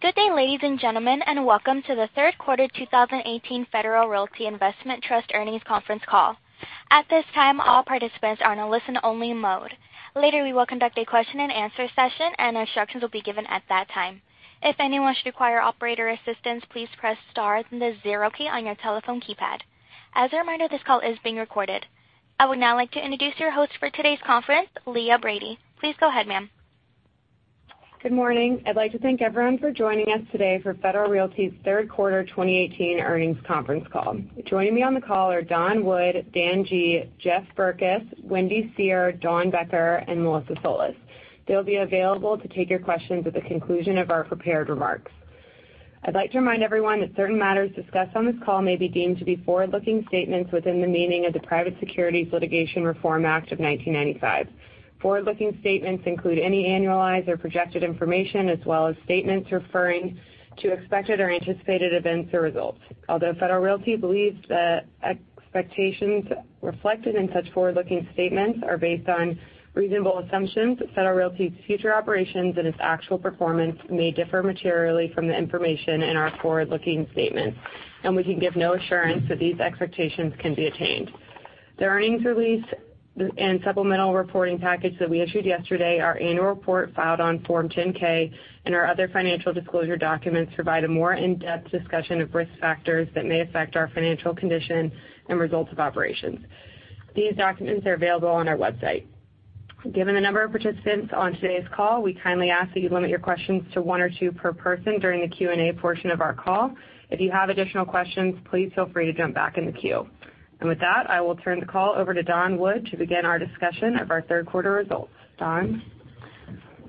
Good day, ladies and gentlemen, and welcome to the third quarter 2018 Federal Realty Investment Trust earnings conference call. At this time, all participants are in a listen-only mode. Later, we will conduct a question and answer session, and instructions will be given at that time. If anyone should require operator assistance, please press star, then the zero key on your telephone keypad. As a reminder, this call is being recorded. I would now like to introduce your host for today's conference, Leah Brady. Please go ahead, ma'am. Good morning. I'd like to thank everyone for joining us today for Federal Realty's third quarter 2018 earnings conference call. Joining me on the call are Don Wood, Dan Gee, Jeff Berkes, Wendy Seher, Dawn Becker, and Melissa Solis. They'll be available to take your questions at the conclusion of our prepared remarks. I'd like to remind everyone that certain matters discussed on this call may be deemed to be forward-looking statements within the meaning of the Private Securities Litigation Reform Act of 1995. Forward-looking statements include any annualized or projected information, as well as statements referring to expected or anticipated events or results. Although Federal Realty believes that expectations reflected in such forward-looking statements are based on reasonable assumptions, Federal Realty's future operations and its actual performance may differ materially from the information in our forward-looking statements, and we can give no assurance that these expectations can be attained. The earnings release and supplemental reporting package that we issued yesterday, our annual report filed on Form 10-K, and our other financial disclosure documents provide a more in-depth discussion of risk factors that may affect our financial condition and results of operations. These documents are available on our website. Given the number of participants on today's call, we kindly ask that you limit your questions to one or two per person during the Q&A portion of our call. If you have additional questions, please feel free to jump back in the queue. With that, I will turn the call over to Don Wood to begin our discussion of our third quarter results. Don?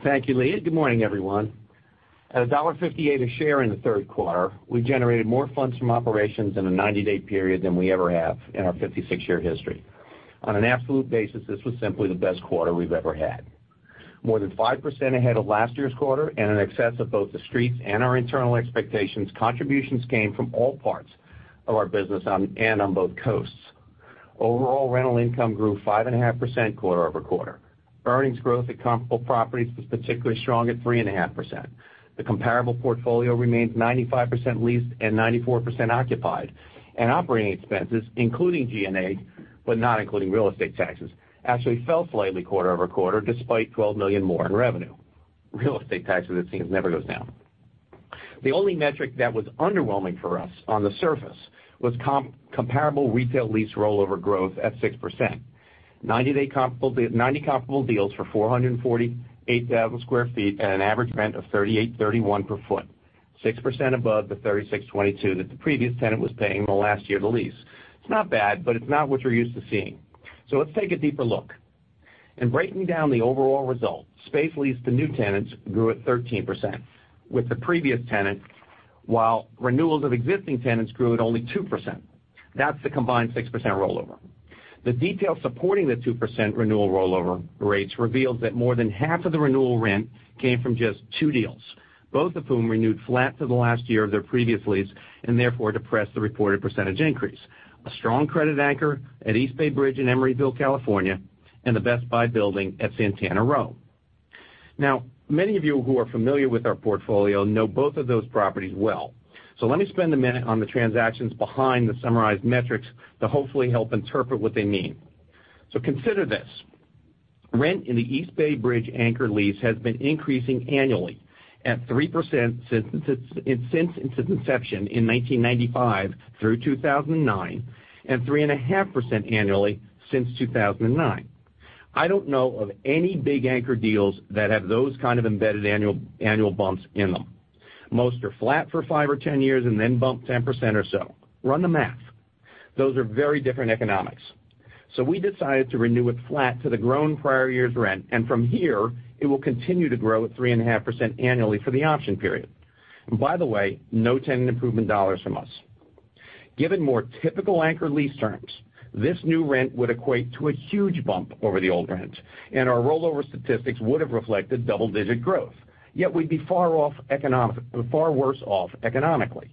Thank you, Leah. Good morning, everyone. At $1.58 a share in the third quarter, we generated more funds from operations in a 90-day period than we ever have in our 56-year history. On an absolute basis, this was simply the best quarter we've ever had. More than 5% ahead of last year's quarter and in excess of both The Street's and our internal expectations, contributions came from all parts of our business and on both coasts. Overall rental income grew 5.5% quarter-over-quarter. Earnings growth at comparable properties was particularly strong at 3.5%. The comparable portfolio remains 95% leased and 94% occupied, and operating expenses, including G&A, but not including real estate taxes, actually fell slightly quarter-over-quarter, despite $12 million more in revenue. Real estate taxes, it seems, never goes down. The only metric that was underwhelming for us on the surface was comparable retail lease rollover growth at 6%. 90 comparable deals for 448,000 sq ft at an average rent of $38.31 per foot, 6% above the $36.22 that the previous tenant was paying in the last year of the lease. It's not bad, but it's not what you're used to seeing. Let's take a deeper look. In breaking down the overall results, space leased to new tenants grew at 13% with the previous tenant, while renewals of existing tenants grew at only 2%. That's the combined 6% rollover. The details supporting the 2% renewal rollover rates revealed that more than half of the renewal rent came from just two deals, both of whom renewed flat to the last year of their previous lease and therefore depressed the reported percentage increase. A strong credit anchor at East Bay Bridge in Emeryville, California, and the Best Buy building at Santana Row. Many of you who are familiar with our portfolio know both of those properties well. Let me spend a minute on the transactions behind the summarized metrics to hopefully help interpret what they mean. Consider this. Rent in the East Bay Bridge anchor lease has been increasing annually at 3% since its inception in 1995 through 2009, and 3.5% annually since 2009. I don't know of any big anchor deals that have those kind of embedded annual bumps in them. Most are flat for 5 or 10 years and then bump 10% or so. Run the math. Those are very different economics. We decided to renew it flat to the grown prior year's rent, and from here, it will continue to grow at 3.5% annually for the option period. By the way, no tenant improvement dollars from us. Given more typical anchor lease terms, this new rent would equate to a huge bump over the old rent, and our rollover statistics would have reflected double-digit growth. Yet we'd be far worse off economically.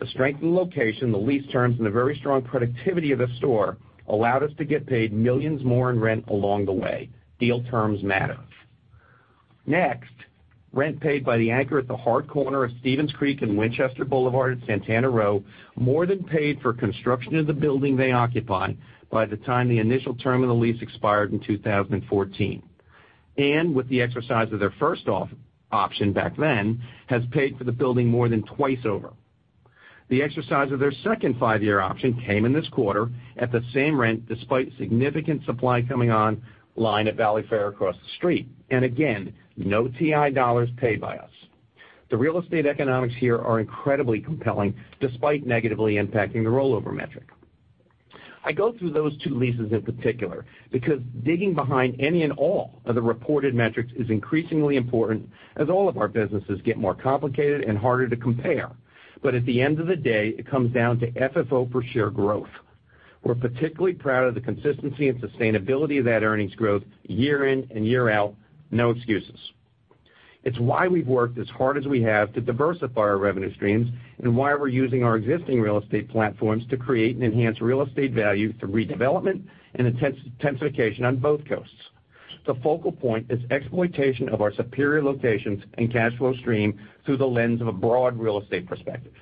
The strength in location, the lease terms, and the very strong productivity of the store allowed us to get paid millions more in rent along the way. Deal terms matter. Next, rent paid by the anchor at the hard corner of Stevens Creek and Winchester Boulevard at Santana Row more than paid for construction of the building they occupy by the time the initial term of the lease expired in 2014. With the exercise of their first 5-year option back then, has paid for the building more than twice over. The exercise of their second 5-year option came in this quarter at the same rent, despite significant supply coming online at Valley Fair across the street. Again, no TI dollars paid by us. The real estate economics here are incredibly compelling, despite negatively impacting the rollover metric. I go through those two leases in particular, because digging behind any and all of the reported metrics is increasingly important as all of our businesses get more complicated and harder to compare. At the end of the day, it comes down to FFO per share growth. We're particularly proud of the consistency and sustainability of that earnings growth year in and year out, no excuses. It's why we've worked as hard as we have to diversify our revenue streams and why we're using our existing real estate platforms to create and enhance real estate value through redevelopment and intensification on both coasts. The focal point is exploitation of our superior locations and cash flow stream through the lens of a broad real estate perspective.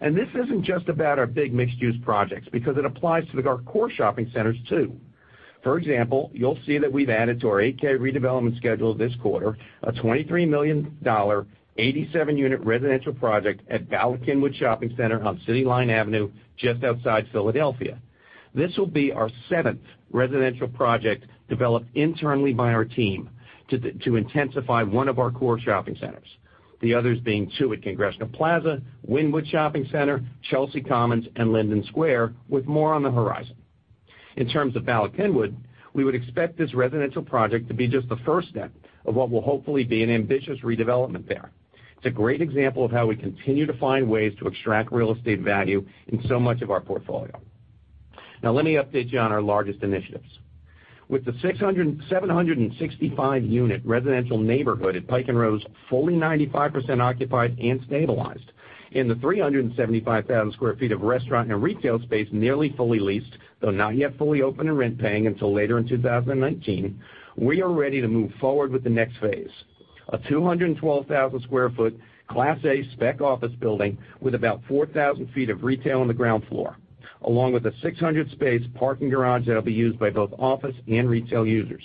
This isn't just about our big mixed-use projects, because it applies to our core shopping centers too. For example, you'll see that we've added to our 8-K redevelopment schedule this quarter, a $23 million, 87-unit residential project at Bala Cynwyd Shopping Center on City Line Avenue, just outside Philadelphia. This will be our seventh residential project developed internally by our team to intensify one of our core shopping centers. The others being two at Congressional Plaza, Wynnewood Shopping Center, Chelsea Commons, and Linden Square, with more on the horizon. In terms of Bala Cynwyd, we would expect this residential project to be just the first step of what will hopefully be an ambitious redevelopment there. It's a great example of how we continue to find ways to extract real estate value in so much of our portfolio. Let me update you on our largest initiatives. With the 765-unit residential neighborhood at Pike & Rose fully 95% occupied and stabilized, and the 375,000 sq ft of restaurant and retail space nearly fully leased, though not yet fully open and rent paying until later in 2019, we are ready to move forward with the next phase. A 212,000 sq ft Class A spec office building with about 4,000 feet of retail on the ground floor, along with a 600-space parking garage that'll be used by both office and retail users.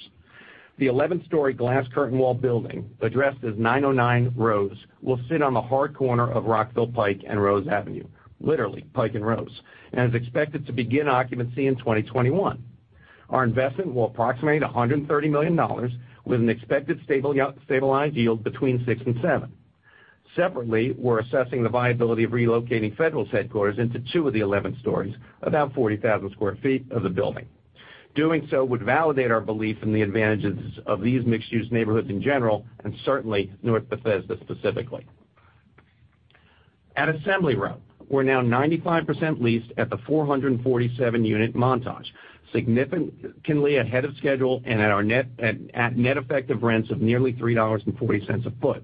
The 11-story glass curtain wall building, addressed as 909 Rose, will sit on the hard corner of Rockville Pike and Rose Avenue, literally Pike and Rose, and is expected to begin occupancy in 2021. Our investment will approximate $130 million with an expected stabilized yield between six and seven. Separately, we're assessing the viability of relocating Federal's headquarters into two of the 11 stories, about 40,000 sq ft of the building. Doing so would validate our belief in the advantages of these mixed-use neighborhoods in general, and certainly North Bethesda specifically. At Assembly Row, we're now 95% leased at the 447-unit Montage. Significantly ahead of schedule and at net effective rents of nearly $3.40 a foot.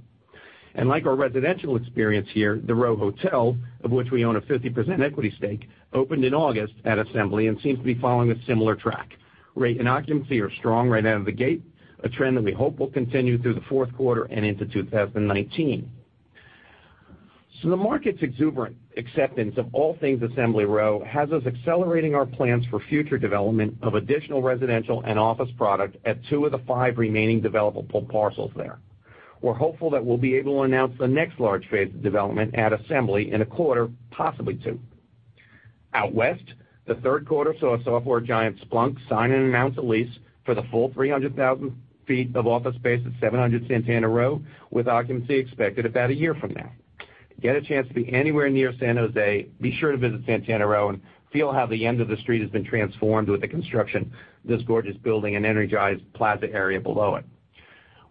Like our residential experience here, the Row Hotel, of which we own a 50% equity stake, opened in August at Assembly and seems to be following a similar track. Rate and occupancy are strong right out of the gate, a trend that we hope will continue through the fourth quarter and into 2019. The market's exuberant acceptance of all things Assembly Row has us accelerating our plans for future development of additional residential and office product at two of the five remaining developable parcels there. We're hopeful that we'll be able to announce the next large phase of development at Assembly in a quarter, possibly two. Out west, the third quarter saw software giant Splunk sign and announce a lease for the full 300,000 feet of office space at 700 Santana Row, with occupancy expected about a year from now. If you get a chance to be anywhere near San Jose, be sure to visit Santana Row and feel how the end of the street has been transformed with the construction of this gorgeous building and energized plaza area below it.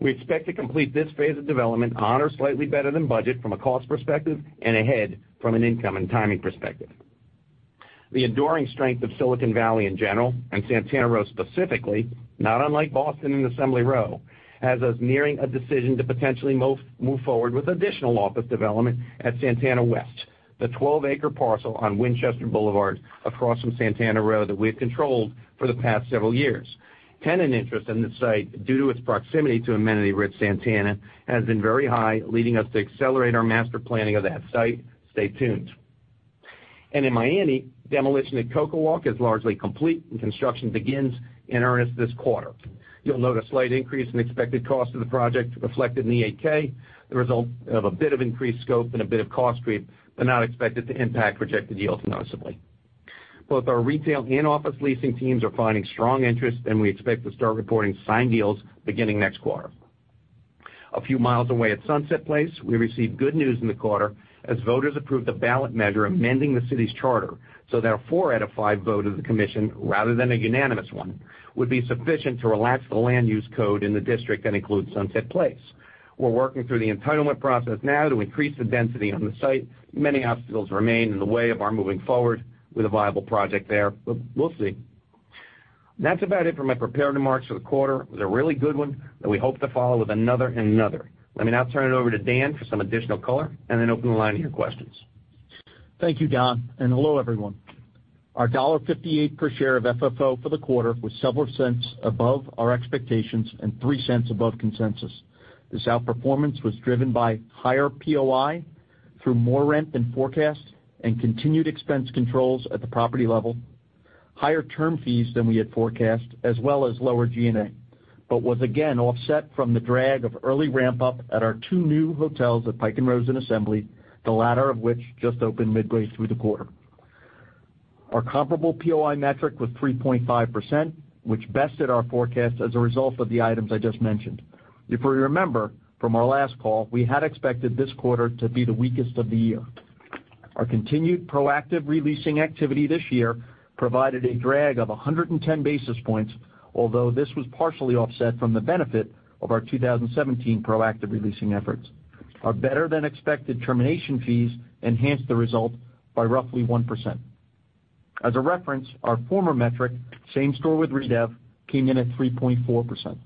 We expect to complete this phase of development on or slightly better than budget from a cost perspective, and ahead from an income and timing perspective. The enduring strength of Silicon Valley in general and Santana Row specifically, not unlike Boston and Assembly Row, has us nearing a decision to potentially move forward with additional office development at Santana West, the 12-acre parcel on Winchester Boulevard across from Santana Row that we've controlled for the past several years. Tenant interest in the site, due to its proximity to amenity-rich Santana, has been very high, leading us to accelerate our master planning of that site. Stay tuned. In Miami, demolition at CocoWalk is largely complete, and construction begins in earnest this quarter. You'll note a slight increase in expected cost of the project reflected in the 8-K, the result of a bit of increased scope and a bit of cost creep, but not expected to impact projected yields noticeably. Both our retail and office leasing teams are finding strong interest, and we expect to start reporting signed deals beginning next quarter. A few miles away at Sunset Place, we received good news in the quarter as voters approved the ballot measure amending the city's charter, so that a four out of five vote of the commission, rather than a unanimous one, would be sufficient to relax the land use code in the district that includes Sunset Place. We're working through the entitlement process now to increase the density on the site. Many obstacles remain in the way of our moving forward with a viable project there, but we'll see. That's about it for my prepared remarks for the quarter. It was a really good one that we hope to follow with another and another. Let me now turn it over to Dan for some additional color, and then open the line to your questions. Thank you, Don, and hello, everyone. Our $1.58 per share of FFO for the quarter was several cents above our expectations and $0.03 above consensus. This outperformance was driven by higher POI through more rent than forecast and continued expense controls at the property level, higher term fees than we had forecast, as well as lower G&A, but was again offset from the drag of early ramp-up at our two new hotels at Pike & Rose and Assembly, the latter of which just opened midway through the quarter. Our comparable POI metric was 3.5%, which bested our forecast as a result of the items I just mentioned. If you remember from our last call, we had expected this quarter to be the weakest of the year. Our continued proactive re-leasing activity this year provided a drag of 110 basis points, although this was partially offset from the benefit of our 2017 proactive re-leasing efforts. Our better-than-expected termination fees enhanced the result by roughly 1%. As a reference, our former metric, same store with redev, came in at 3.4%.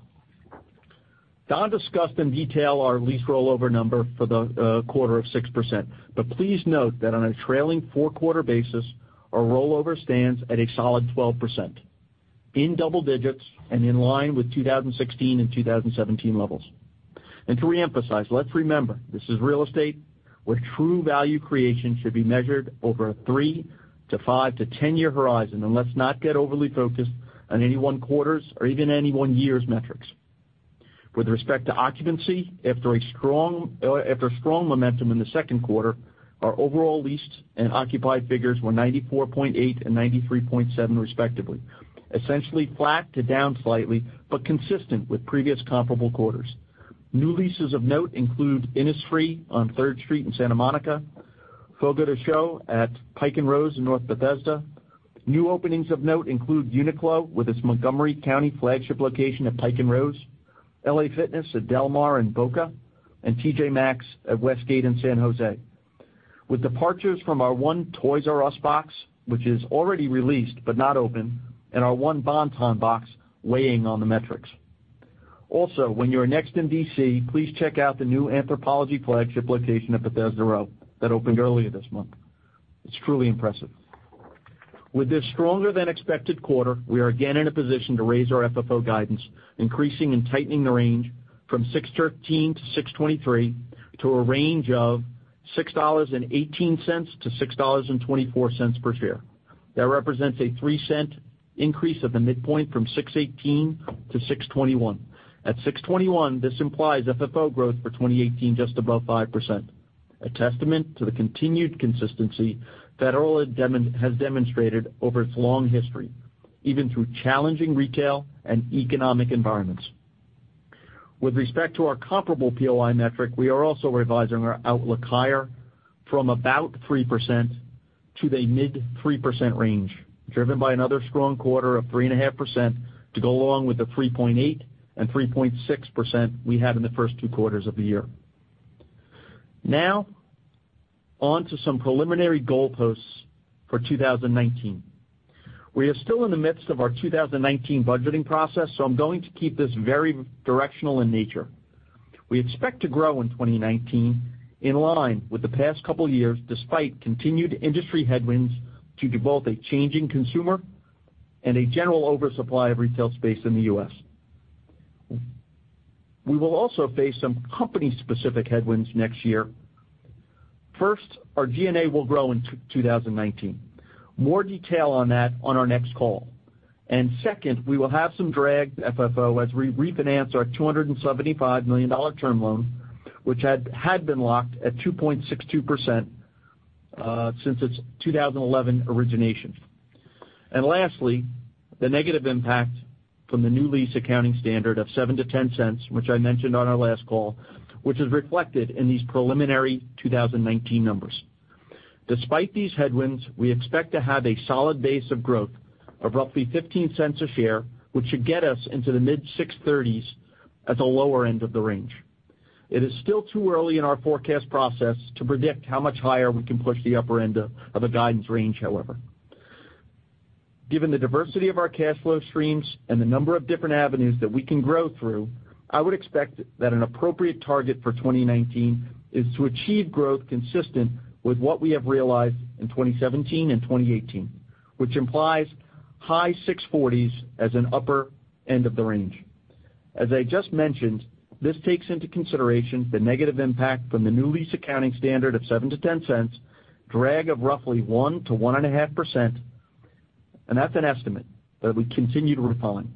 Don discussed in detail our lease rollover number for the quarter of 6%. Please note that on a trailing four-quarter basis, our rollover stands at a solid 12%, in double digits and in line with 2016 and 2017 levels. To reemphasize, let's remember, this is real estate, where true value creation should be measured over a three to five to 10-year horizon, and let's not get overly focused on any one quarter's or even any one year's metrics. With respect to occupancy, after strong momentum in the second quarter, our overall leased and occupied figures were 94.8 and 93.7 respectively. Essentially flat to down slightly, but consistent with previous comparable quarters. New leases of note include Innisfree on Third Street in Santa Monica, Fogo de Chão at Pike & Rose in North Bethesda. New openings of note include Uniqlo with its Montgomery County flagship location at Pike & Rose, LA Fitness at Del Mar in Boca, and TJ Maxx at Westgate in San Jose. With departures from our one Toys R Us box, which is already released but not open, and our one Bon-Ton box weighing on the metrics. Also, when you're next in D.C., please check out the new Anthropologie flagship location at Bethesda Row that opened earlier this month. It's truly impressive. With this stronger than expected quarter, we are again in a position to raise our FFO guidance, increasing and tightening the range from $6.13-$6.23 to a range of $6.18-$6.24 per share. That represents a $0.03 increase of the midpoint from $6.18-$6.21. At $6.21, this implies FFO growth for 2018 just above 5%. A testament to the continued consistency Federal has demonstrated over its long history, even through challenging retail and economic environments. With respect to our comparable POI metric, we are also revising our outlook higher from about 3% to the mid-3% range, driven by another strong quarter of 3.5% to go along with the 3.8% and 3.6% we had in the first two quarters of the year. On to some preliminary goalposts for 2019. We are still in the midst of our 2019 budgeting process, I'm going to keep this very directional in nature. We expect to grow in 2019 in line with the past couple of years, despite continued industry headwinds due to both a changing consumer and a general oversupply of retail space in the U.S. We will also face some company-specific headwinds next year. First, our G&A will grow in 2019. More detail on that on our next call. Second, we will have some drag to FFO as we refinance our $275 million term loan, which had been locked at 2.62% since its 2011 origination. Lastly, the negative impact from the new lease accounting standard of $0.07-$0.10, which I mentioned on our last call, which is reflected in these preliminary 2019 numbers. Despite these headwinds, we expect to have a solid base of growth of roughly $0.15 a share, which should get us into the mid-$6.30s at the lower end of the range. It is still too early in our forecast process to predict how much higher we can push the upper end of a guidance range, however. Given the diversity of our cash flow streams and the number of different avenues that we can grow through, I would expect that an appropriate target for 2019 is to achieve growth consistent with what we have realized in 2017 and 2018, which implies high-$6.40s as an upper end of the range. As I just mentioned, this takes into consideration the negative impact from the new lease accounting standard of $0.07-$0.10, drag of roughly 1%-1.5%, and that's an estimate that we continue to refine.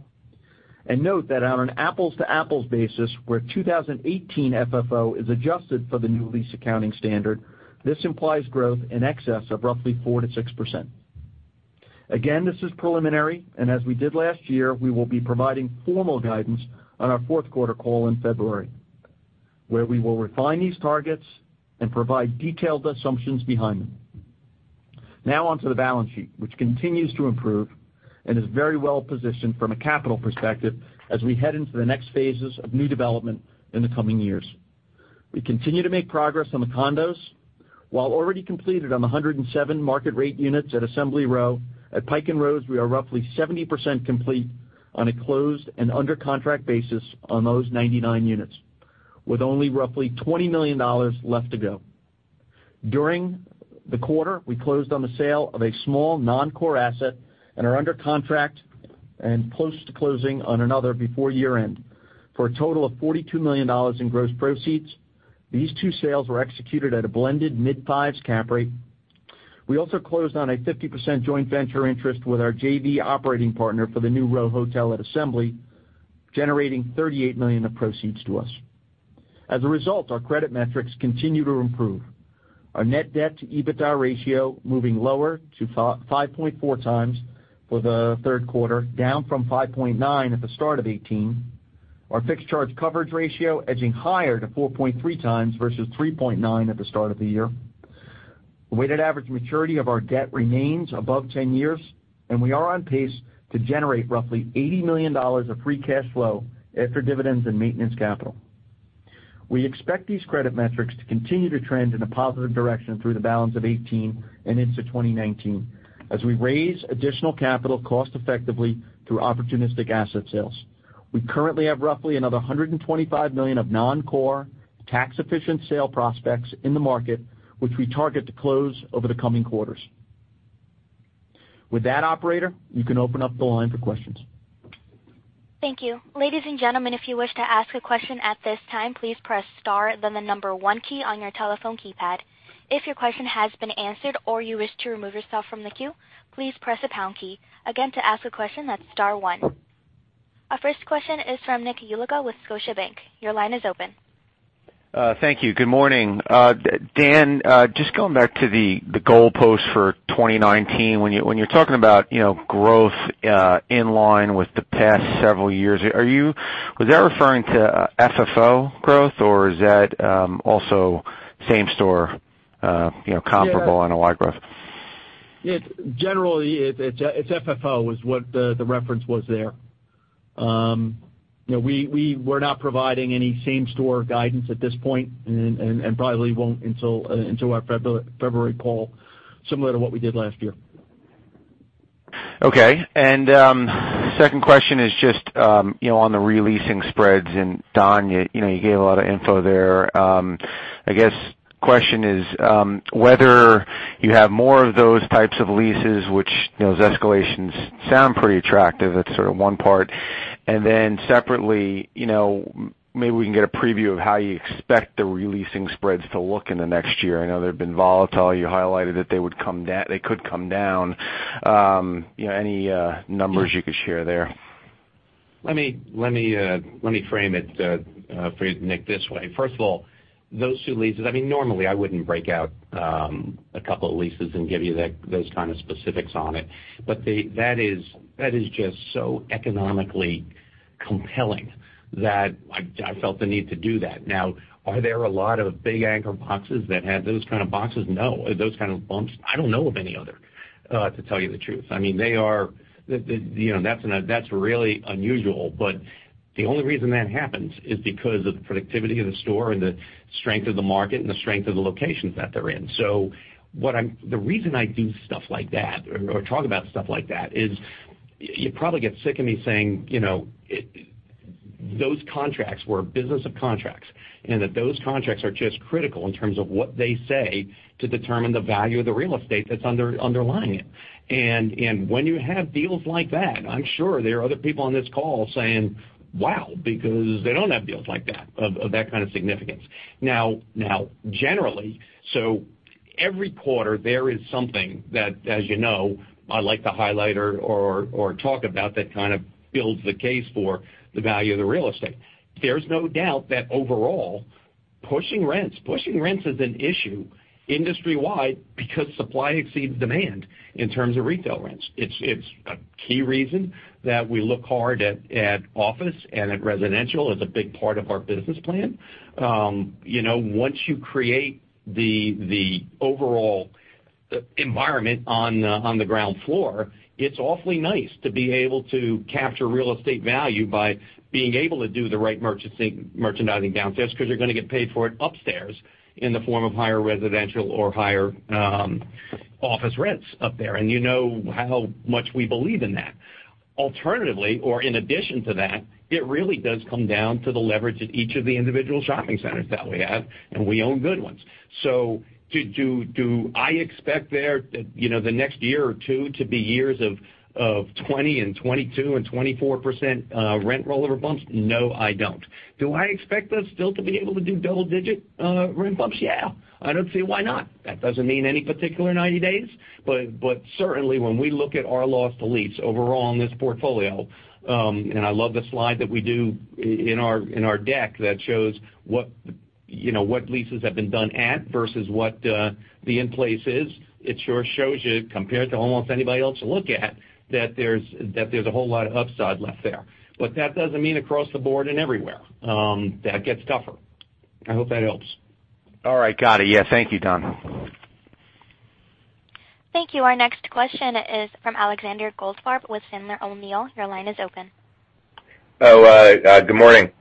Note that on an apples-to-apples basis, where 2018 FFO is adjusted for the new lease accounting standard, this implies growth in excess of roughly 4%-6%. Again, this is preliminary, and as we did last year, we will be providing formal guidance on our fourth quarter call in February, where we will refine these targets and provide detailed assumptions behind them. Now on to the balance sheet, which continues to improve and is very well-positioned from a capital perspective as we head into the next phases of new development in the coming years. We continue to make progress on the condos. While already completed on the 107 market rate units at Assembly Row, at Pike & Rose we are roughly 70% complete on a closed and under contract basis on those 99 units, with only roughly $20 million left to go. During the quarter, we closed on the sale of a small non-core asset and are under contract and close to closing on another before year-end. For a total of $42 million in gross proceeds, these two sales were executed at a blended mid-fives cap rate. We also closed on a 50% joint venture interest with our JV operating partner for the new Row Hotel at Assembly, generating $38 million of proceeds to us. As a result, our credit metrics continue to improve. Our net debt-to-EBITDA ratio moving lower to 5.4 times for the third quarter, down from 5.9 at the start of 2018. Our fixed charge coverage ratio edging higher to 4.3 times versus 3.9 at the start of the year. Weighted average maturity of our debt remains above 10 years, and we are on pace to generate roughly $80 million of free cash flow after dividends and maintenance capital. We expect these credit metrics to continue to trend in a positive direction through the balance of 2018 and into 2019, as we raise additional capital cost-effectively through opportunistic asset sales. We currently have roughly another $125 million of non-core, tax-efficient sale prospects in the market, which we target to close over the coming quarters. With that, operator, you can open up the line for questions. Thank you. Ladies and gentlemen, if you wish to ask a question at this time, please press star then the number one key on your telephone keypad. If your question has been answered or you wish to remove yourself from the queue, please press the pound key. Again, to ask a question, that's star one. Our first question is from Nicholas Yulico with Scotiabank. Your line is open. Thank you. Good morning. Dan, just going back to the goalpost for 2019. When you're talking about growth inline with the past several years, was that referring to FFO growth or is that also same-store comparable- Yeah NOI growth? Generally, it's FFO, was what the reference was there. We're not providing any same-store guidance at this point, and probably won't until our February call, similar to what we did last year. Okay. Second question is just on the re-leasing spreads. Don, you gave a lot of info there. I guess, question is whether you have more of those types of leases, which those escalations sound pretty attractive. That's sort of one part. Separately, maybe we can get a preview of how you expect the re-leasing spreads to look in the next year. I know they've been volatile. You highlighted that they could come down. Any numbers you could share there? Let me frame it for you, Nick, this way. First of all, those 2 leases, normally I wouldn't break out a couple of leases and give you those kind of specifics on it. That is just so economically compelling that I felt the need to do that. Are there a lot of big anchor boxes that have those kind of bumps? I don't know of any other, to tell you the truth. That's really unusual. The only reason that happens is because of the productivity of the store and the strength of the market and the strength of the locations that they're in. The reason I do stuff like that, or talk about stuff like that, is you probably get sick of me saying those contracts were business of contracts, and that those contracts are just critical in terms of what they say to determine the value of the real estate that's underlying it. When you have deals like that, I'm sure there are other people on this call saying, "Wow," because they don't have deals like that, of that kind of significance. Every quarter there is something that, as you know, I like to highlight or talk about that kind of builds the case for the value of the real estate. There's no doubt that overall, pushing rents is an issue industry-wide because supply exceeds demand in terms of retail rents. It's a key reason that we look hard at office and at residential as a big part of our business plan. Once you create the overall environment on the ground floor, it's awfully nice to be able to capture real estate value by being able to do the right merchandising downstairs because you're going to get paid for it upstairs in the form of higher residential or higher office rents up there, and you know how much we believe in that. Alternatively, or in addition to that, it really does come down to the leverage at each of the individual shopping centers that we have, and we own good ones. Do I expect the next year or 2 to be years of 20% and 22% and 24% rent rollover bumps? No, I don't. Do I expect us still to be able to do double-digit rent bumps? Yeah. I don't see why not. That doesn't mean any particular 90 days, but certainly when we look at our lost lease overall in this portfolio, and I love the slide that we do in our deck that shows what leases have been done at versus what the in place is. It sure shows you, compared to almost anybody else you look at, that there's a whole lot of upside left there. That doesn't mean across the board and everywhere. That gets tougher. I hope that helps. All right. Got it. Yeah. Thank you, Don. Thank you. Our next question is from Alexander Goldfarb with Sandler O'Neill. Your line is open. Good morning.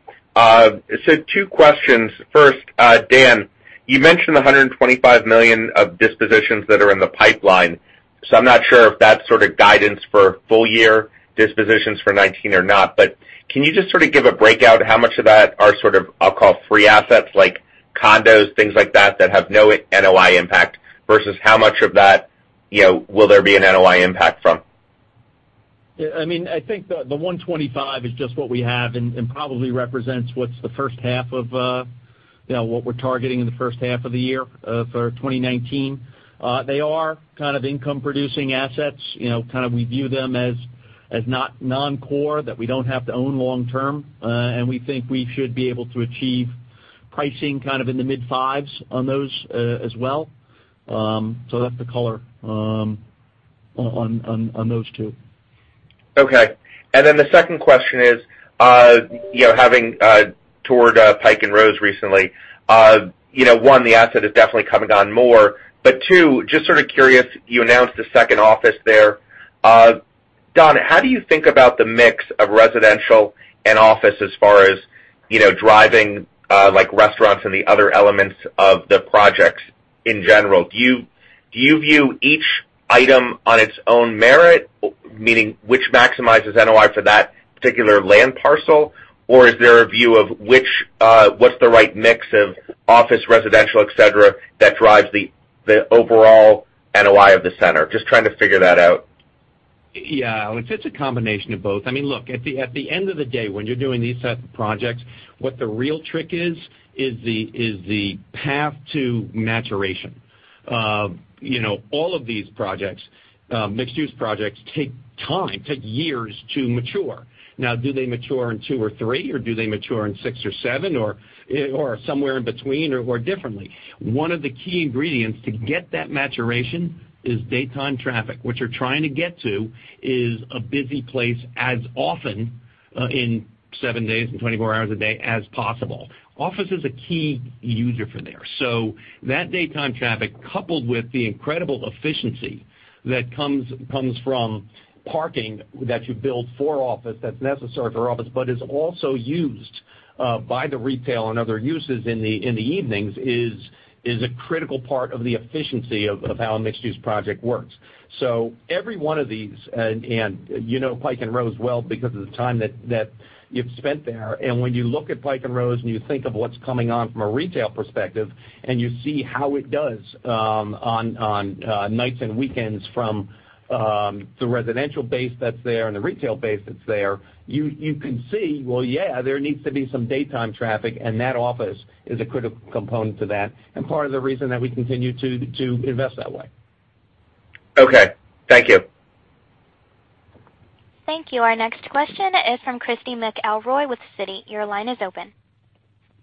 Two questions. First, Dan, you mentioned $125 million of dispositions that are in the pipeline. I'm not sure if that's sort of guidance for full year dispositions for 2019 or not, but can you just sort of give a breakout how much of that are sort of, I'll call free assets like condos, things like that have no NOI impact versus how much of that will there be an NOI impact from? I think the 125 is just what we have and probably represents what we're targeting in the first half of the year for 2019. They are kind of income-producing assets. We view them as non-core that we don't have to own long term. We think we should be able to achieve pricing kind of in the mid fives on those as well. That's the color on those two. Okay. The second question is, having toured Pike & Rose recently, one, the asset has definitely come down more, but two, just sort of curious, you announced a second office there. Don, how do you think about the mix of residential and office as far as driving like restaurants and the other elements of the projects in general? Do you view each item on its own merit, meaning which maximizes NOI for that particular land parcel? Is there a view of what's the right mix of office, residential, et cetera, that drives the overall NOI of the center? Just trying to figure that out. Yeah, it's a combination of both. Look, at the end of the day, when you're doing these sets of projects, what the real trick is the path to maturation. All of these projects, mixed-use projects, take time, take years to mature. Now, do they mature in two or three, or do they mature in six or seven, or somewhere in between, or differently? One of the key ingredients to get that maturation is daytime traffic. What you're trying to get to is a busy place as often in seven days and 24 hours a day as possible. Office is a key user for there. That daytime traffic, coupled with the incredible efficiency that comes from parking that you build for office, that's necessary for office, but is also used by the retail and other uses in the evenings, is a critical part of the efficiency of how a mixed-use project works. Every one of these, and you know Pike & Rose well because of the time that you've spent there, and when you look at Pike & Rose and you think of what's coming on from a retail perspective, and you see how it does on nights and weekends from the residential base that's there and the retail base that's there, you can see, well, yeah, there needs to be some daytime traffic, and that office is a critical component to that, and part of the reason that we continue to invest that way. Okay. Thank you. Thank you. Our next question is from Christy McElroy with Citi. Your line is open.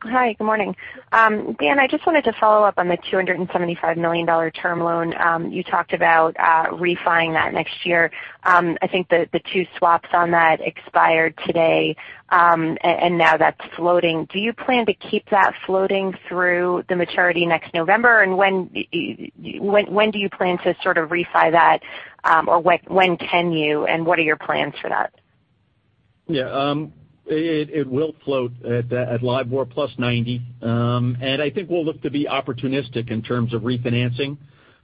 Hi, good morning. Dan, I just wanted to follow up on the $275 million term loan. You talked about refi-ing that next year. I think the two swaps on that expired today, and now that's floating. Do you plan to keep that floating through the maturity next November, and when do you plan to sort of refi that, or when can you, and what are your plans for that? Yeah. It will float at LIBOR plus 90. I think we'll look to be opportunistic in terms of refinancing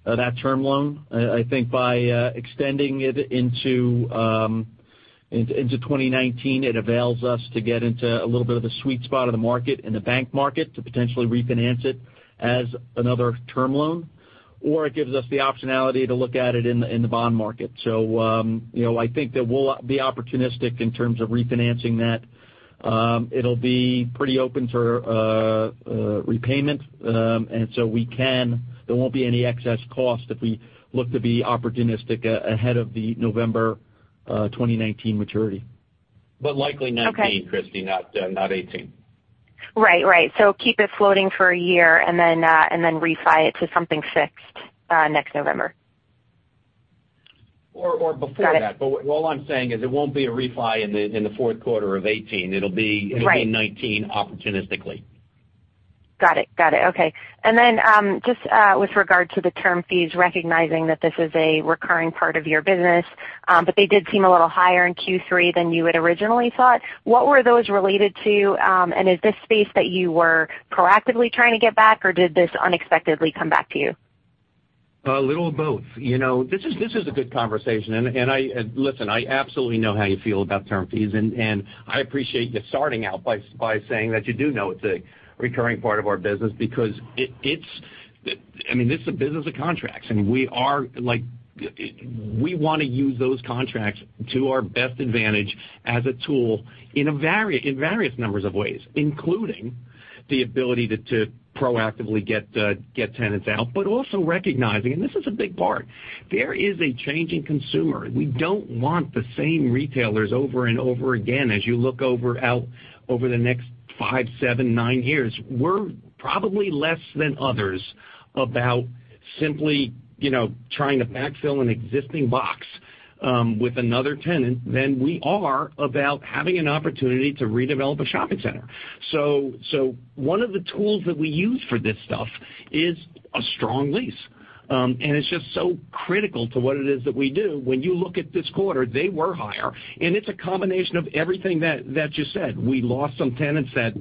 that term loan. I think by extending it into 2019, it avails us to get into a little bit of the sweet spot of the market, in the bank market, to potentially refinance it as another term loan. It gives us the optionality to look at it in the bond market. I think that we'll be opportunistic in terms of refinancing that. It'll be pretty open to repayment. There won't be any excess cost if we look to be opportunistic ahead of the November 2019 maturity. likely 2019. Okay Christy, not 2018. Right. Keep it floating for a year, and then refi it to something fixed next November. Before that. Got it. All I'm saying is it won't be a refi in the fourth quarter of 2018. Right It'll be in 2019 opportunistically. Got it. Okay. Then, just with regard to the term fees, recognizing that this is a recurring part of your business, but they did seem a little higher in Q3 than you had originally thought. What were those related to, and is this space that you were proactively trying to get back, or did this unexpectedly come back to you? A little of both. This is a good conversation. Listen, I absolutely know how you feel about term fees, and I appreciate you starting out by saying that you do know it's a recurring part of our business because it's a business of contracts. We want to use those contracts to our best advantage as a tool in various numbers of ways, including the ability to proactively get tenants out. Also recognizing, and this is a big part, there is a changing consumer. We don't want the same retailers over and over again. As you look out over the next five, seven, nine years, we're probably less than others about simply trying to backfill an existing box with another tenant than we are about having an opportunity to redevelop a shopping center. One of the tools that we use for this stuff is a strong lease. It's just so critical to what it is that we do. When you look at this quarter, they were higher, and it's a combination of everything that you said. We lost some tenants that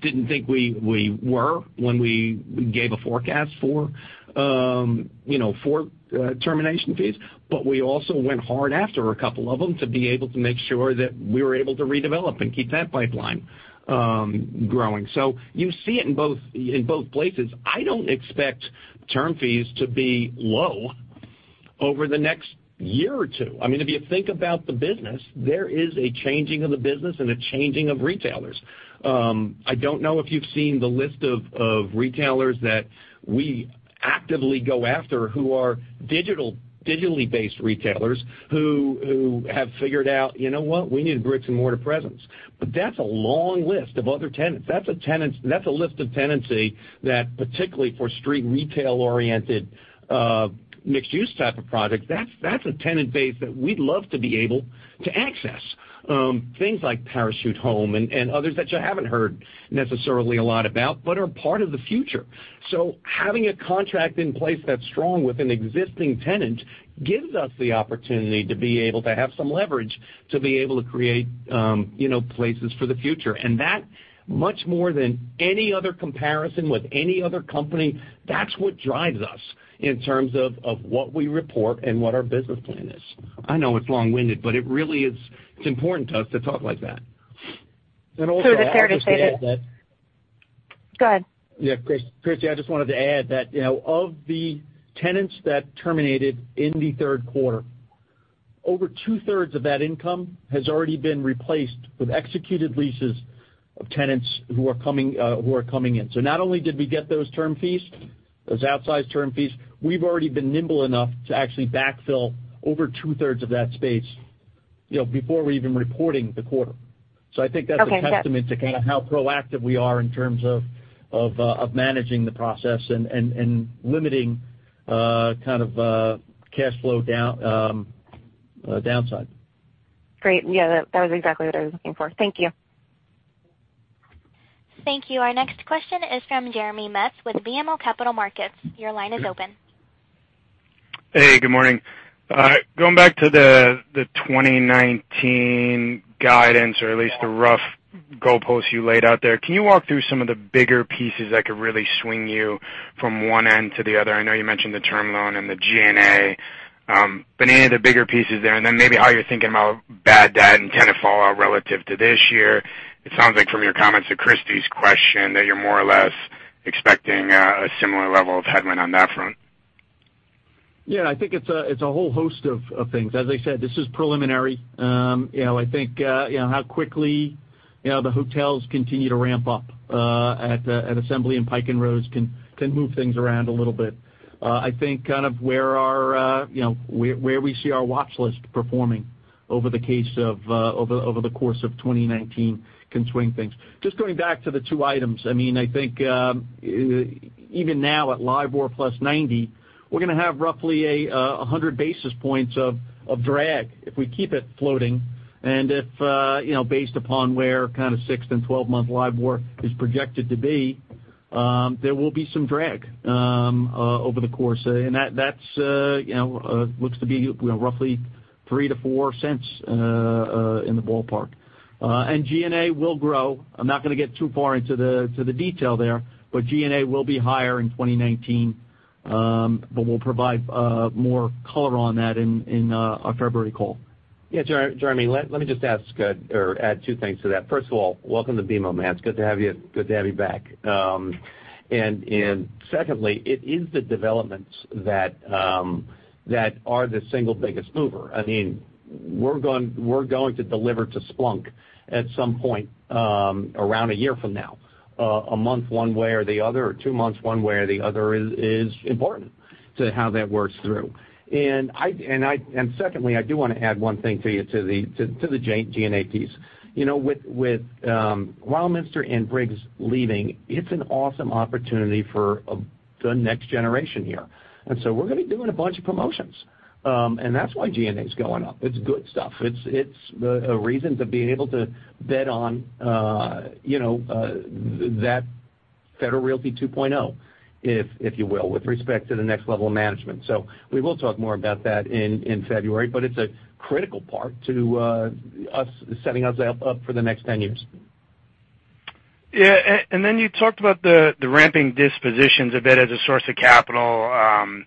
didn't think we were when we gave a forecast for termination fees. We also went hard after a couple of them to be able to make sure that we were able to redevelop and keep that pipeline growing. You see it in both places. I don't expect term fees to be low over the next year or two. If you think about the business, there is a changing of the business and a changing of retailers. I don't know if you've seen the list of retailers that we actively go after who are digitally based retailers, who have figured out, "You know what? We need bricks-and-mortar presence." That's a long list of other tenants. That's a list of tenancy that, particularly for street retail-oriented, mixed-use type of projects, that's a tenant base that we'd love to be able to access things like Parachute Home and others that you haven't heard necessarily a lot about, but are part of the future. Having a contract in place that's strong with an existing tenant gives us the opportunity to be able to have some leverage to be able to create places for the future. That, much more than any other comparison with any other company, that's what drives us in terms of what we report and what our business plan is. I know it's long-winded, it really is important to us to talk like that. Also, I'll just add that. For the fairness stated. Go ahead. Yeah, Christy, I just wanted to add that of the tenants that terminated in the third quarter, over two-thirds of that income has already been replaced with executed leases of tenants who are coming in. Not only did we get those term fees, those outsized term fees, we've already been nimble enough to actually backfill over two-thirds of that space before we're even reporting the quarter. I think that's a. Okay, got it testament to kind of how proactive we are in terms of managing the process and limiting kind of cash flow downside. Great. Yeah, that was exactly what I was looking for. Thank you. Thank you. Our next question is from Jeremy Metz with BMO Capital Markets. Your line is open. Hey, good morning. Going back to the 2019 guidance or at least the rough goalposts you laid out there, can you walk through some of the bigger pieces that could really swing you from one end to the other? I know you mentioned the term loan and the G&A, but any of the bigger pieces there, and then maybe how you're thinking about bad debt and tenant fallout relative to this year. It sounds like from your comments to Christy's question that you're more or less expecting a similar level of headwind on that front. I think it's a whole host of things. As I said, this is preliminary. I think how quickly the hotels continue to ramp up at Assembly and Pike & Rose can move things around a little bit. I think kind of where we see our watch list performing over the course of 2019 can swing things. Just going back to the two items, I think even now at LIBOR plus 90, we're going to have roughly 100 basis points of drag if we keep it floating. If based upon where kind of six and 12-month LIBOR is projected to be, there will be some drag over the course. That looks to be roughly $0.03-$0.04 in the ballpark. G&A will grow. I'm not going to get too far into the detail there, but G&A will be higher in 2019. We'll provide more color on that in our February call. Jeremy, let me just add two things to that. First of all, welcome to BMO, Matt, it's good to have you back. Secondly, it is the developments that are the single biggest mover. We're going to deliver to Splunk at some point around a year from now. A month one way or the other, or two months one way or the other is important to how that works through. Secondly, I do want to add one thing for you to the G&A piece. With Weilminster and Briggs leaving, it's an awesome opportunity for the next generation here. We're going to be doing a bunch of promotions. That's why G&A is going up. It's good stuff. It's a reason to be able to bet on that Federal Realty 2.0, if you will, with respect to the next level of management. We will talk more about that in February, but it's a critical part to setting us up for the next 10 years. Yeah. You talked about the ramping dispositions a bit as a source of capital.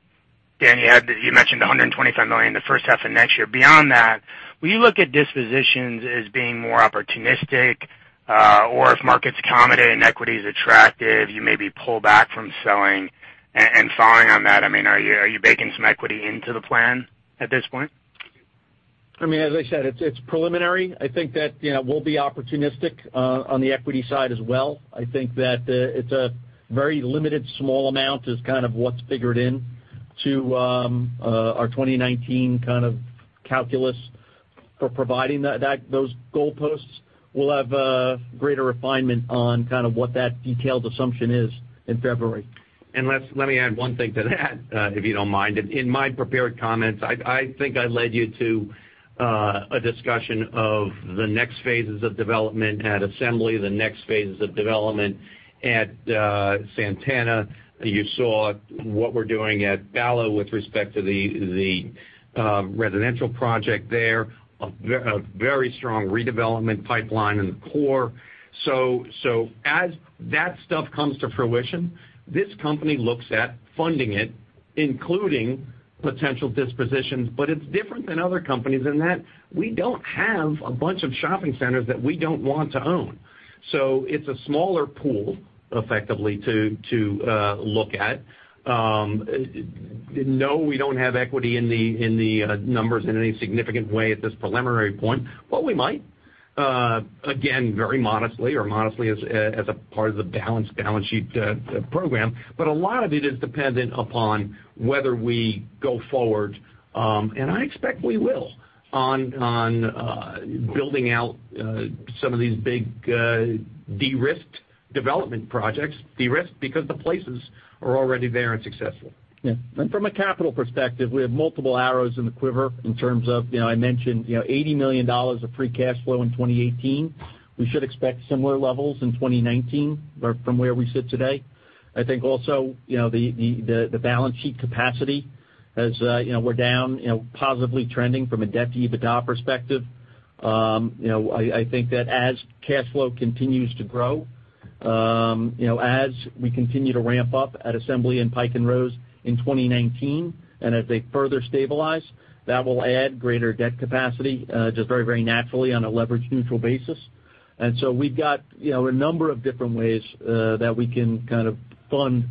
Dan, you mentioned the $125 million the first half of next year. Beyond that, will you look at dispositions as being more opportunistic? If markets accommodate and equity is attractive, you maybe pull back from selling. Following on that, are you baking some equity into the plan at this point? As I said, it's preliminary. I think that we'll be opportunistic on the equity side as well. I think that it's a very limited small amount is kind of what's figured in to our 2019 kind of calculus for providing those goalposts. We'll have a greater refinement on kind of what that detailed assumption is in February. Let me add one thing to that, if you don't mind. In my prepared comments, I think I led you to a discussion of the next phases of development at Assembly, the next phases of development at Santana. You saw what we're doing at Bala with respect to the residential project there. A very strong redevelopment pipeline in the core. As that stuff comes to fruition, this company looks at funding it, including potential dispositions. It's different than other companies in that we don't have a bunch of shopping centers that we don't want to own. It's a smaller pool, effectively, to look at. No, we don't have equity in the numbers in any significant way at this preliminary point. We might. Again, very modestly or modestly as a part of the balanced balance sheet program. A lot of it is dependent upon whether we go forward, and I expect we will, on building out some of these big, de-risked development projects. De-risked because the places are already there and successful. Yeah. From a capital perspective, we have multiple arrows in the quiver in terms of, I mentioned, $80 million of free cash flow in 2018. We should expect similar levels in 2019 from where we sit today. I think also, the balance sheet capacity, as we're down positively trending from a debt-to-EBITDA perspective. I think that as cash flow continues to grow, as we continue to ramp up at Assembly and Pike & Rose in 2019, and as they further stabilize, that will add greater debt capacity, just very naturally on a leverage-neutral basis. We've got a number of different ways that we can kind of fund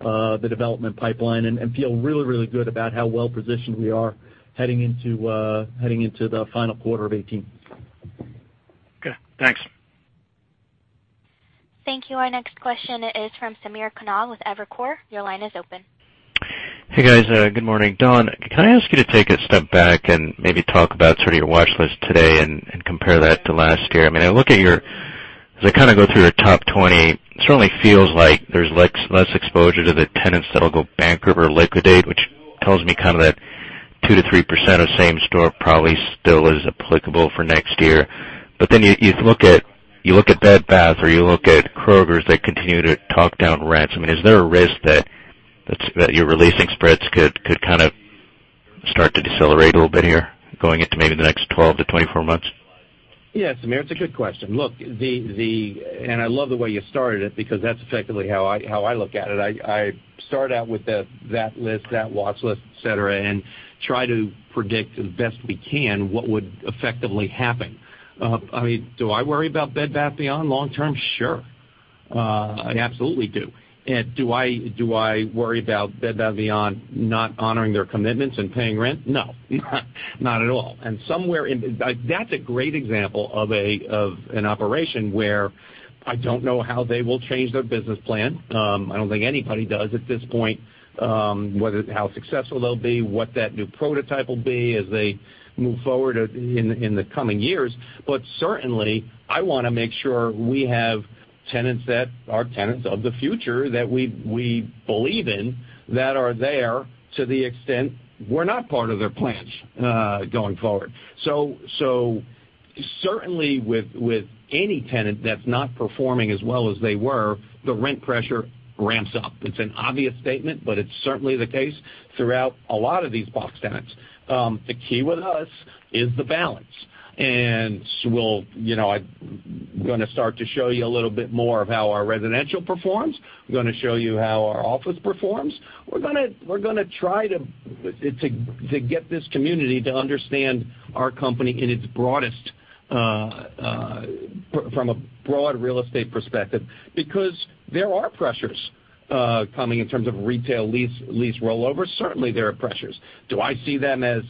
the development pipeline and feel really, really good about how well-positioned we are heading into the final quarter of 2018. Okay, thanks. Thank you. Our next question is from Samir Khanal with Evercore. Your line is open. Hey, guys. Good morning. Don, can I ask you to take a step back and maybe talk about sort of your watchlist today and compare that to last year? As I kind of go through your top 20, it certainly feels like there's less exposure to the tenants that'll go bankrupt or liquidate, which tells me kind of that 2%-3% of same-store probably still is applicable for next year. You look at Bed Bath or you look at Kroger, they continue to talk down rents. Is there a risk that your leasing spreads could kind of start to decelerate a little bit here going into maybe the next 12 to 24 months? Yeah, Samir, it's a good question. Look, I love the way you started it because that's effectively how I look at it. I start out with that list, that watchlist, et cetera, and try to predict as best we can what would effectively happen. Do I worry about Bed Bath & Beyond long term? Sure. I absolutely do. Do I worry about Bed Bath & Beyond not honoring their commitments and paying rent? No. Not at all. That's a great example of an operation where I don't know how they will change their business plan. I don't think anybody does at this point, how successful they'll be, what that new prototype will be as they move forward in the coming years. Certainly, I want to make sure we have tenants that are tenants of the future that we believe in, that are there to the extent we're not part of their plans going forward. Certainly with any tenant that's not performing as well as they were, the rent pressure ramps up. It's an obvious statement, but it's certainly the case throughout a lot of these box tenants. The key with us is the balance. We're going to start to show you a little bit more of how our residential performs. We're going to show you how our office performs. We're going to try to get this community to understand our company from a broad real estate perspective, because there are pressures coming in terms of retail lease rollovers. Certainly, there are pressures. Do I see them as,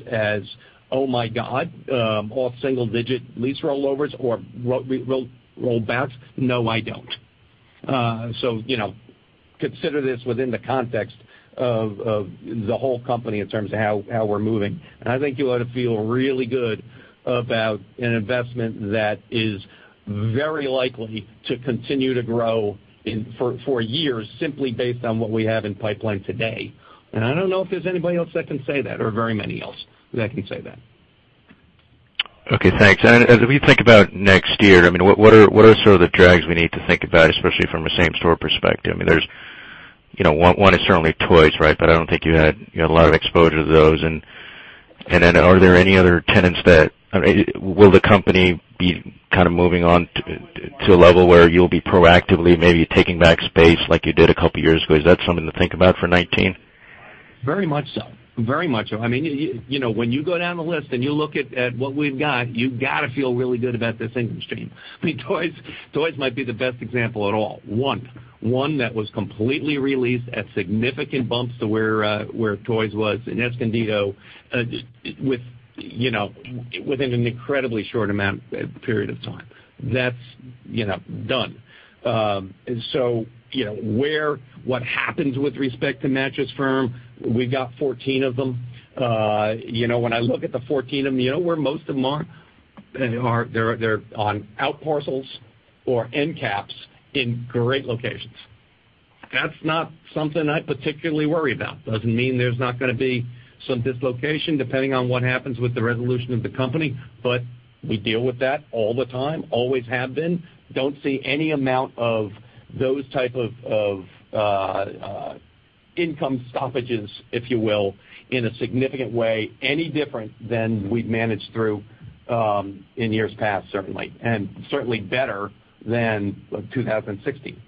oh my god, all single-digit lease rollovers or rollbacks? No, I don't. Consider this within the context of the whole company in terms of how we're moving. I think you ought to feel really good about an investment that is very likely to continue to grow for years simply based on what we have in pipeline today. I don't know if there's anybody else that can say that, or very many else that can say that. Okay, thanks. As we think about next year, what are sort of the drags we need to think about, especially from a same-store perspective? One is certainly Toys, right? I don't think you had a lot of exposure to those. Are there any other tenants? Will the company be kind of moving on to a level where you'll be proactively maybe taking back space like you did a couple of years ago? Is that something to think about for 2019? Very much so. When you go down the list and you look at what we've got, you've got to feel really good about this income stream. Toys might be the best example at all. One that was completely re-leased at significant bumps to where Toys was in Escondido within an incredibly short period of time. That's done. What happens with respect to Mattress Firm, we've got 14 of them. When I look at the 14 of them, you know where most of them are? They're on outparcels or end caps in great locations. That's not something I particularly worry about. Doesn't mean there's not going to be some dislocation, depending on what happens with the resolution of the company. We deal with that all the time, always have been. Don't see any amount of those type of income stoppages, if you will, in a significant way, any different than we've managed through in years past, certainly. Certainly better than 2016.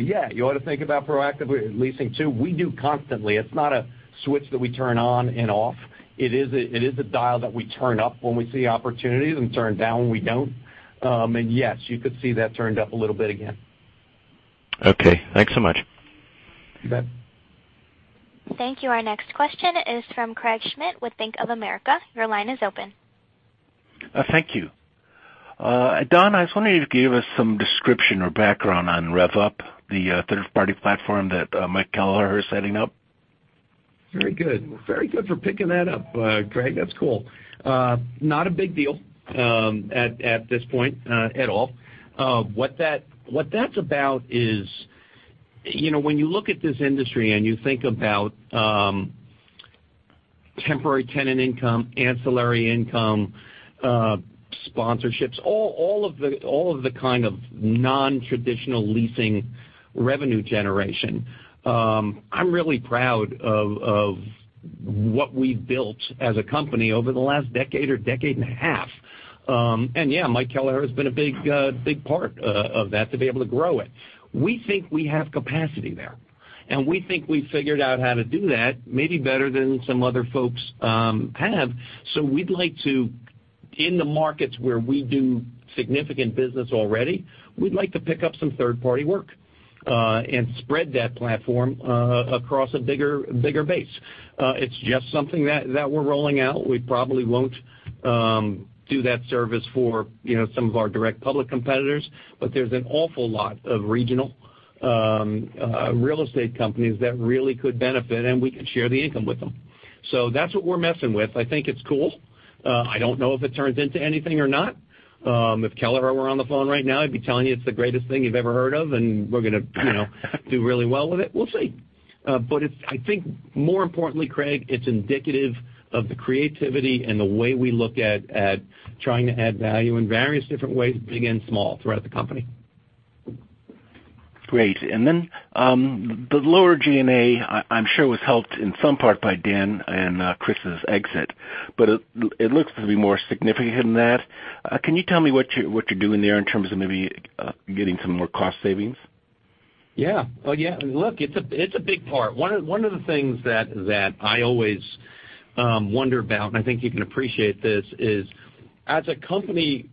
Yeah, you ought to think about proactively leasing too. We do constantly. It's not a switch that we turn on and off. It is a dial that we turn up when we see opportunities and turn down when we don't. You could see that turned up a little bit again. Okay. Thanks so much. You bet. Thank you. Our next question is from Craig Schmidt with Bank of America. Your line is open. Thank you. Don, I was wondering if you could give us some description or background on RevUp, the third-party platform that Mike Kelleher is setting up. Very good. Very good for picking that up, Craig. That's cool. Not a big deal at this point at all. What that's about is, when you look at this industry and you think about temporary tenant income, ancillary income, sponsorships, all of the kind of non-traditional leasing revenue generation. I'm really proud of what we've built as a company over the last decade or decade and a half. Yeah, Mike Kelleher has been a big part of that to be able to grow it. We think we have capacity there, and we think we've figured out how to do that, maybe better than some other folks have. We'd like to, in the markets where we do significant business already, we'd like to pick up some third-party work, and spread that platform across a bigger base. It's just something that we're rolling out. We probably won't do that service for some of our direct public competitors. There's an awful lot of regional real estate companies that really could benefit, and we could share the income with them. That's what we're messing with. I think it's cool. I don't know if it turns into anything or not. If Kelleher were on the phone right now, he'd be telling you it's the greatest thing you've ever heard of, and we're going to do really well with it. We'll see. I think more importantly, Craig, it's indicative of the creativity and the way we look at trying to add value in various different ways, big and small, throughout the company. Great. The lower G&A, I'm sure was helped in some part by Dan and Chris's exit, but it looks to be more significant than that. Can you tell me what you're doing there in terms of maybe getting some more cost savings? Yeah. Look, it's a big part. One of the things that I always wonder about, and I think you can appreciate this, is as a company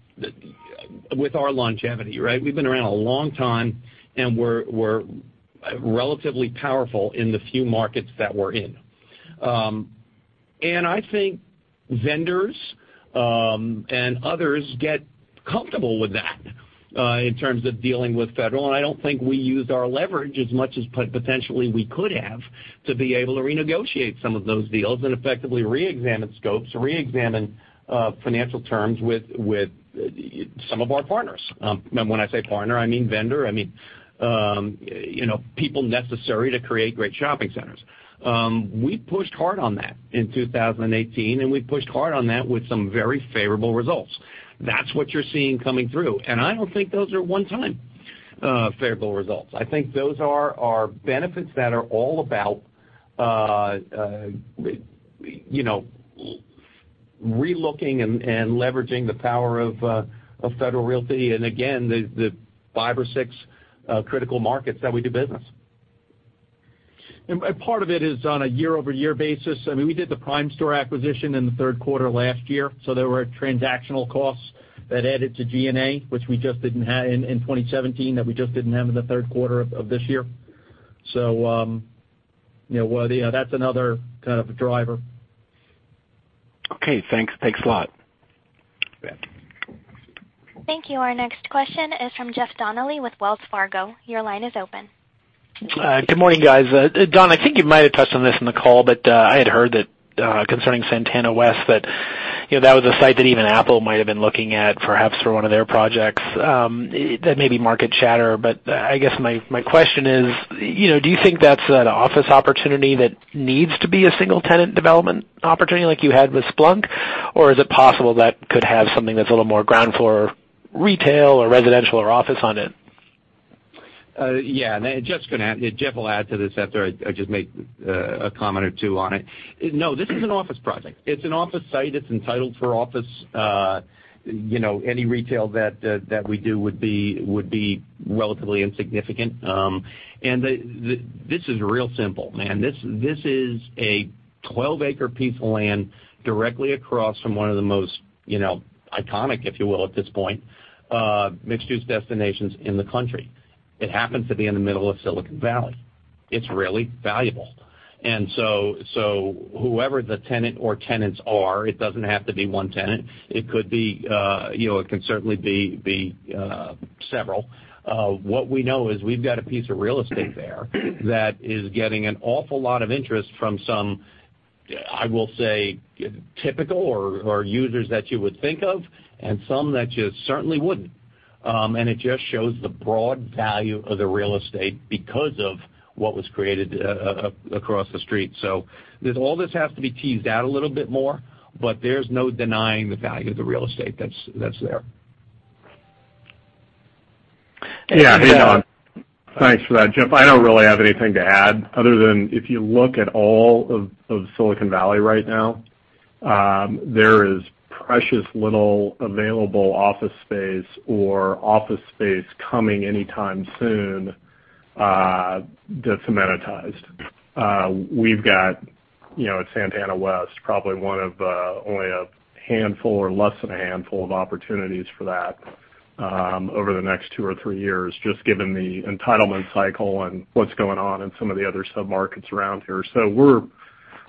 with our longevity, right? We've been around a long time, and we're relatively powerful in the few markets that we're in. I think vendors and others get comfortable with that in terms of dealing with Federal, and I don't think we used our leverage as much as potentially we could have to be able to renegotiate some of those deals and effectively reexamine scopes, reexamine financial terms with some of our partners. When I say partner, I mean vendor. I mean people necessary to create great shopping centers. We pushed hard on that in 2018, and we pushed hard on that with some very favorable results. That's what you're seeing coming through. I don't think those are one-time favorable results. I think those are benefits that are all about relooking and leveraging the power of Federal Realty, and again, the five or six critical markets that we do business. Part of it is on a year-over-year basis. We did the Primestor acquisition in the third quarter last year, there were transactional costs that added to G&A, which we just didn't have in 2017, that we just didn't have in the third quarter of this year. That's another kind of a driver. Okay, thanks. Thanks a lot. You bet. Thank you. Our next question is from Jeffrey Donnelly with Wells Fargo. Your line is open. Good morning, guys. Don, I think you might have touched on this in the call, but I had heard that concerning Santana West, that was a site that even Apple might have been looking at perhaps for one of their projects. That may be market chatter, but I guess my question is, do you think that's an office opportunity that needs to be a single-tenant development opportunity like you had with Splunk, or is it possible that could have something that's a little more ground floor retail or residential or office on it? Yeah. Jeff will add to this after I just make a comment or two on it. No, this is an office project. It's an office site. It's entitled for office. Any retail that we do would be relatively insignificant. This is real simple, man. This is a 12-acre piece of land directly across from one of the most iconic, if you will, at this point, mixed-use destinations in the country. It happens to be in the middle of Silicon Valley. It's really valuable. Whoever the tenant or tenants are, it doesn't have to be one tenant. It could certainly be several. What we know is we've got a piece of real estate there that is getting an awful lot of interest from some, I will say, typical, or users that you would think of, and some that you certainly wouldn't. It just shows the broad value of the real estate because of what was created across the street. All this has to be teased out a little bit more, but there's no denying the value of the real estate that's there. Yeah. Hey, Don. Thanks for that. Jeff, I don't really have anything to add other than if you look at all of Silicon Valley right now, there is precious little available office space or office space coming anytime soon that's amenitized. We've got at Santana West, probably one of only a handful or less than a handful of opportunities for that over the next two or three years, just given the entitlement cycle and what's going on in some of the other sub-markets around here. We're,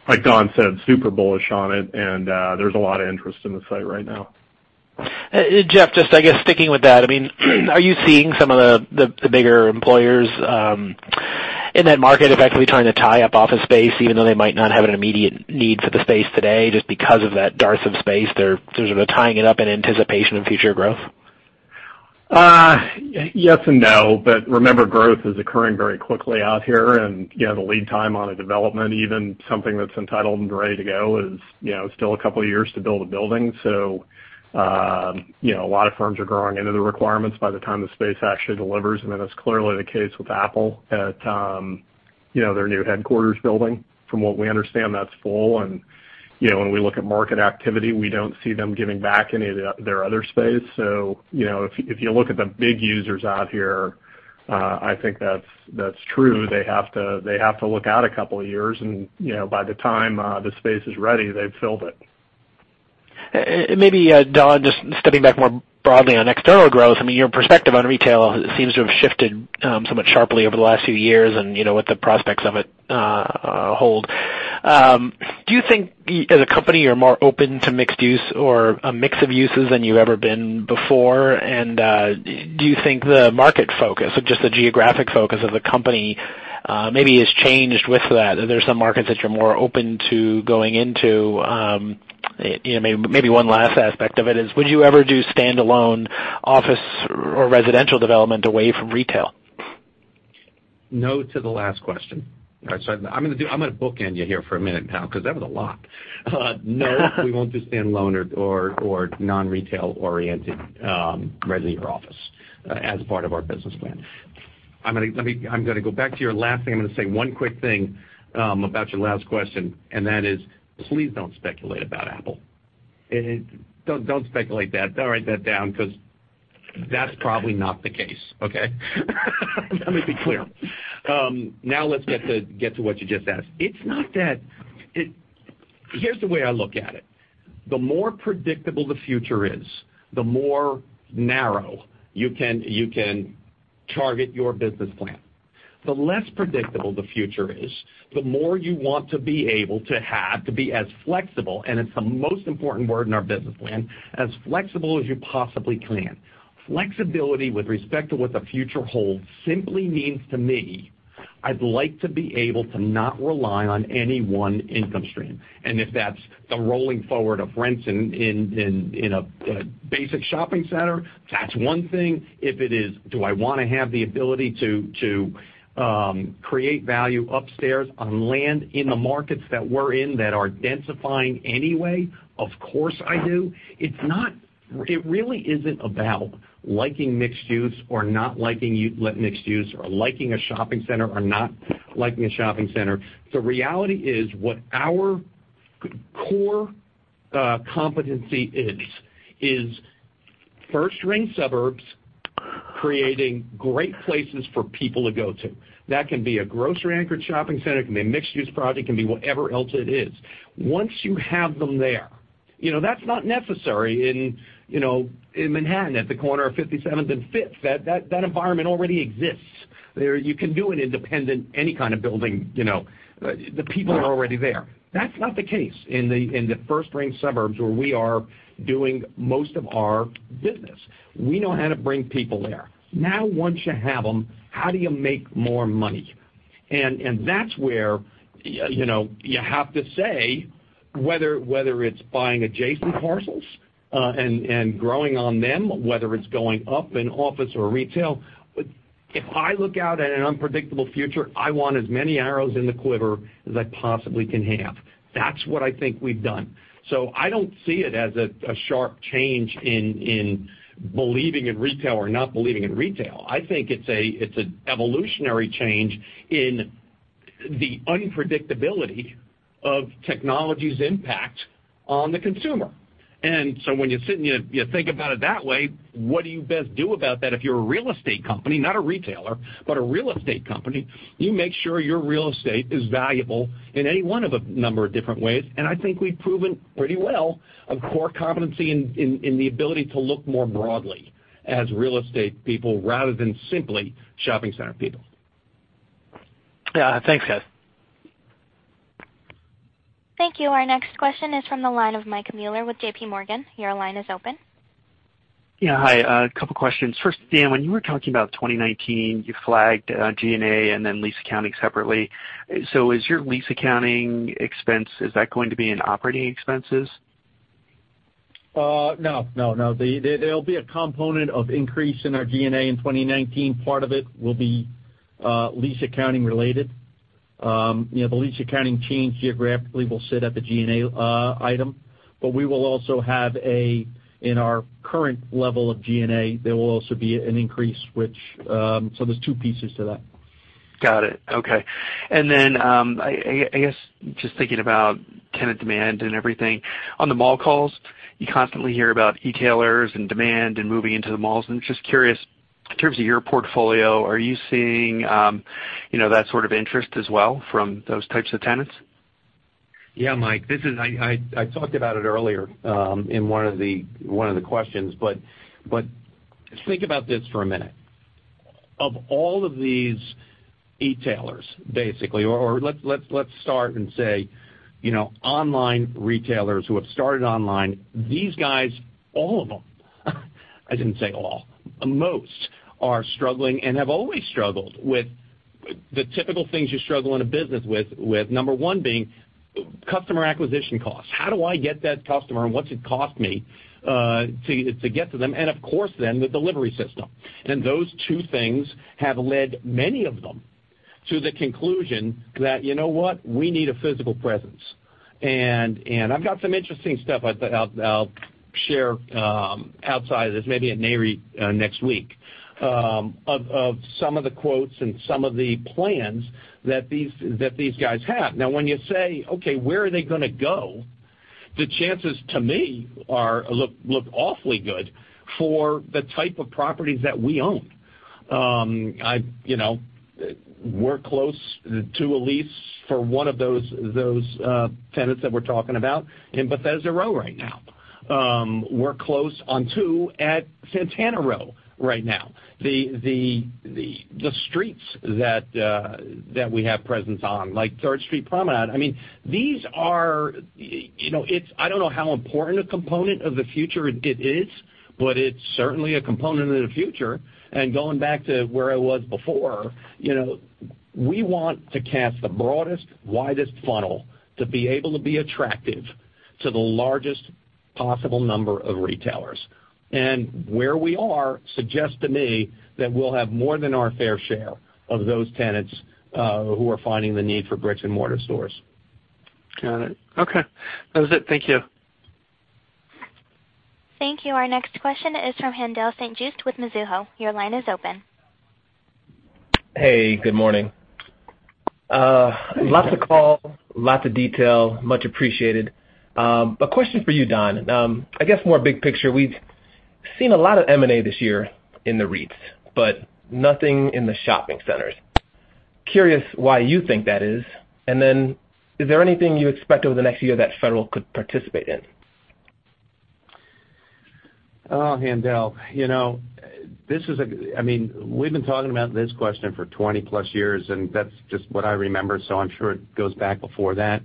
like Don said, super bullish on it, and there's a lot of interest in the site right now. Jeff, just, I guess, sticking with that. Are you seeing some of the bigger employers in that market effectively trying to tie up office space even though they might not have an immediate need for the space today just because of that dearth of space they're sort of tying it up in anticipation of future growth? Yes and no. Remember, growth is occurring very quickly out here, and the lead time on a development, even something that's entitled and ready to go, is still a couple of years to build a building. A lot of firms are growing into the requirements by the time the space actually delivers. That is clearly the case with Apple at their new headquarters building. From what we understand, that's full. When we look at market activity, we don't see them giving back any of their other space. If you look at the big users out here, I think that's true. They have to look out a couple of years and, by the time the space is ready, they've filled it. Maybe, Don, just stepping back more broadly on external growth. Your perspective on retail seems to have shifted somewhat sharply over the last few years and what the prospects of it hold. Do you think, as a company, you're more open to mixed use or a mix of uses than you've ever been before? Do you think the market focus or just the geographic focus of the company maybe has changed with that? Are there some markets that you're more open to going into? Maybe one last aspect of it is, would you ever do standalone office or residential development away from retail? No to the last question. All right. I'm going to bookend you here for a minute now because that was a lot. No, we won't do standalone or non-retail oriented residential office as part of our business plan. I'm going to go back to your last thing. I'm going to say one quick thing about your last question, and that is, please don't speculate about Apple. Don't speculate that. Don't write that down because that's probably not the case, okay? Let me be clear. Let's get to what you just asked. Here's the way I look at it. The more predictable the future is, the more narrow you can target your business plan. The less predictable the future is, the more you want to be able to have to be as flexible, and it's the most important word in our business plan, as flexible as you possibly can. Flexibility with respect to what the future holds simply means to me, I'd like to be able to not rely on any one income stream. If that's the rolling forward of rents in a basic shopping center, that's one thing. If it is, do I want to have the ability to create value upstairs on land in the markets that we're in that are densifying anyway? Of course, I do. It really isn't about liking mixed use or not liking mixed use, or liking a shopping center or not liking a shopping center. The reality is what our core competency is first-ring suburbs creating great places for people to go to. That can be a grocery anchored shopping center, it can be a mixed-use project, it can be whatever else it is. Once you have them there, that's not necessary in Manhattan at the corner of 57th and Fifth. That environment already exists. You can do an independent any kind of building. The people are already there. That's not the case in the first-ring suburbs where we are doing most of our business. We know how to bring people there. Now, once you have them, how do you make more money? That's where you have to say whether it's buying adjacent parcels and growing on them, whether it's going up in office or retail. If I look out at an unpredictable future, I want as many arrows in the quiver as I possibly can have. That's what I think we've done. I don't see it as a sharp change in believing in retail or not believing in retail. I think it's an evolutionary change in the unpredictability of technology's impact on the consumer. When you sit and you think about it that way, what do you best do about that if you're a real estate company, not a retailer, but a real estate company? You make sure your real estate is valuable in any one of a number of different ways. I think we've proven pretty well a core competency in the ability to look more broadly as real estate people rather than simply shopping center people. Yeah. Thanks, guys. Thank you. Our next question is from the line of Mike Mueller with JPMorgan. Your line is open. Yeah, hi. A couple of questions. First, Dan, when you were talking about 2019, you flagged G&A and then lease accounting separately. Is your lease accounting expense, is that going to be in operating expenses? No. There'll be a component of increase in our G&A in 2019. Part of it will be lease accounting related. The lease accounting change geographically will sit at the G&A item, but we will also have in our current level of G&A, there will also be an increase. There's two pieces to that. Got it. Okay. I guess just thinking about tenant demand and everything. On the mall calls, you constantly hear about e-tailers and demand and moving into the malls. I'm just curious, in terms of your portfolio, are you seeing that sort of interest as well from those types of tenants? Yeah, Mike. I talked about it earlier in one of the questions. Think about this for a minute. Of all of these e-tailers, basically, or let's start and say, online retailers who have started online, these guys, all of them, I didn't say all, most are struggling and have always struggled with the typical things you struggle in a business with. Number one being customer acquisition costs. How do I get that customer, and what's it cost me to get to them? Of course then, the delivery system. Those two things have led many of them to the conclusion that, you know what? We need a physical presence. I've got some interesting stuff I'll share outside of this, maybe at NAREIT next week, of some of the quotes and some of the plans that these guys have. When you say, "Okay, where are they going to go?" The chances to me look awfully good for the type of properties that we own. We're close to a lease for one of those tenants that we're talking about in Bethesda Row right now. We're close on two at Santana Row right now. The streets that we have presence on, like Third Street Promenade, I don't know how important a component of the future it is, but it's certainly a component of the future. Going back to where I was before, we want to cast the broadest, widest funnel to be able to be attractive to the largest possible number of retailers. Where we are suggests to me that we'll have more than our fair share of those tenants who are finding the need for bricks and mortar stores. Got it. Okay. That was it. Thank you. Thank you. Our next question is from Haendel St. Juste with Mizuho. Your line is open. Hey, good morning. Lots of call, lots of detail, much appreciated. Question for you, Don. I guess, more big picture, we've seen a lot of M&A this year in the REITs, but nothing in the shopping centers. Curious why you think that is, and then is there anything you expect over the next year that Federal could participate in? Oh, Haendel. We've been talking about this question for 20-plus years, and that's just what I remember, so I'm sure it goes back before that.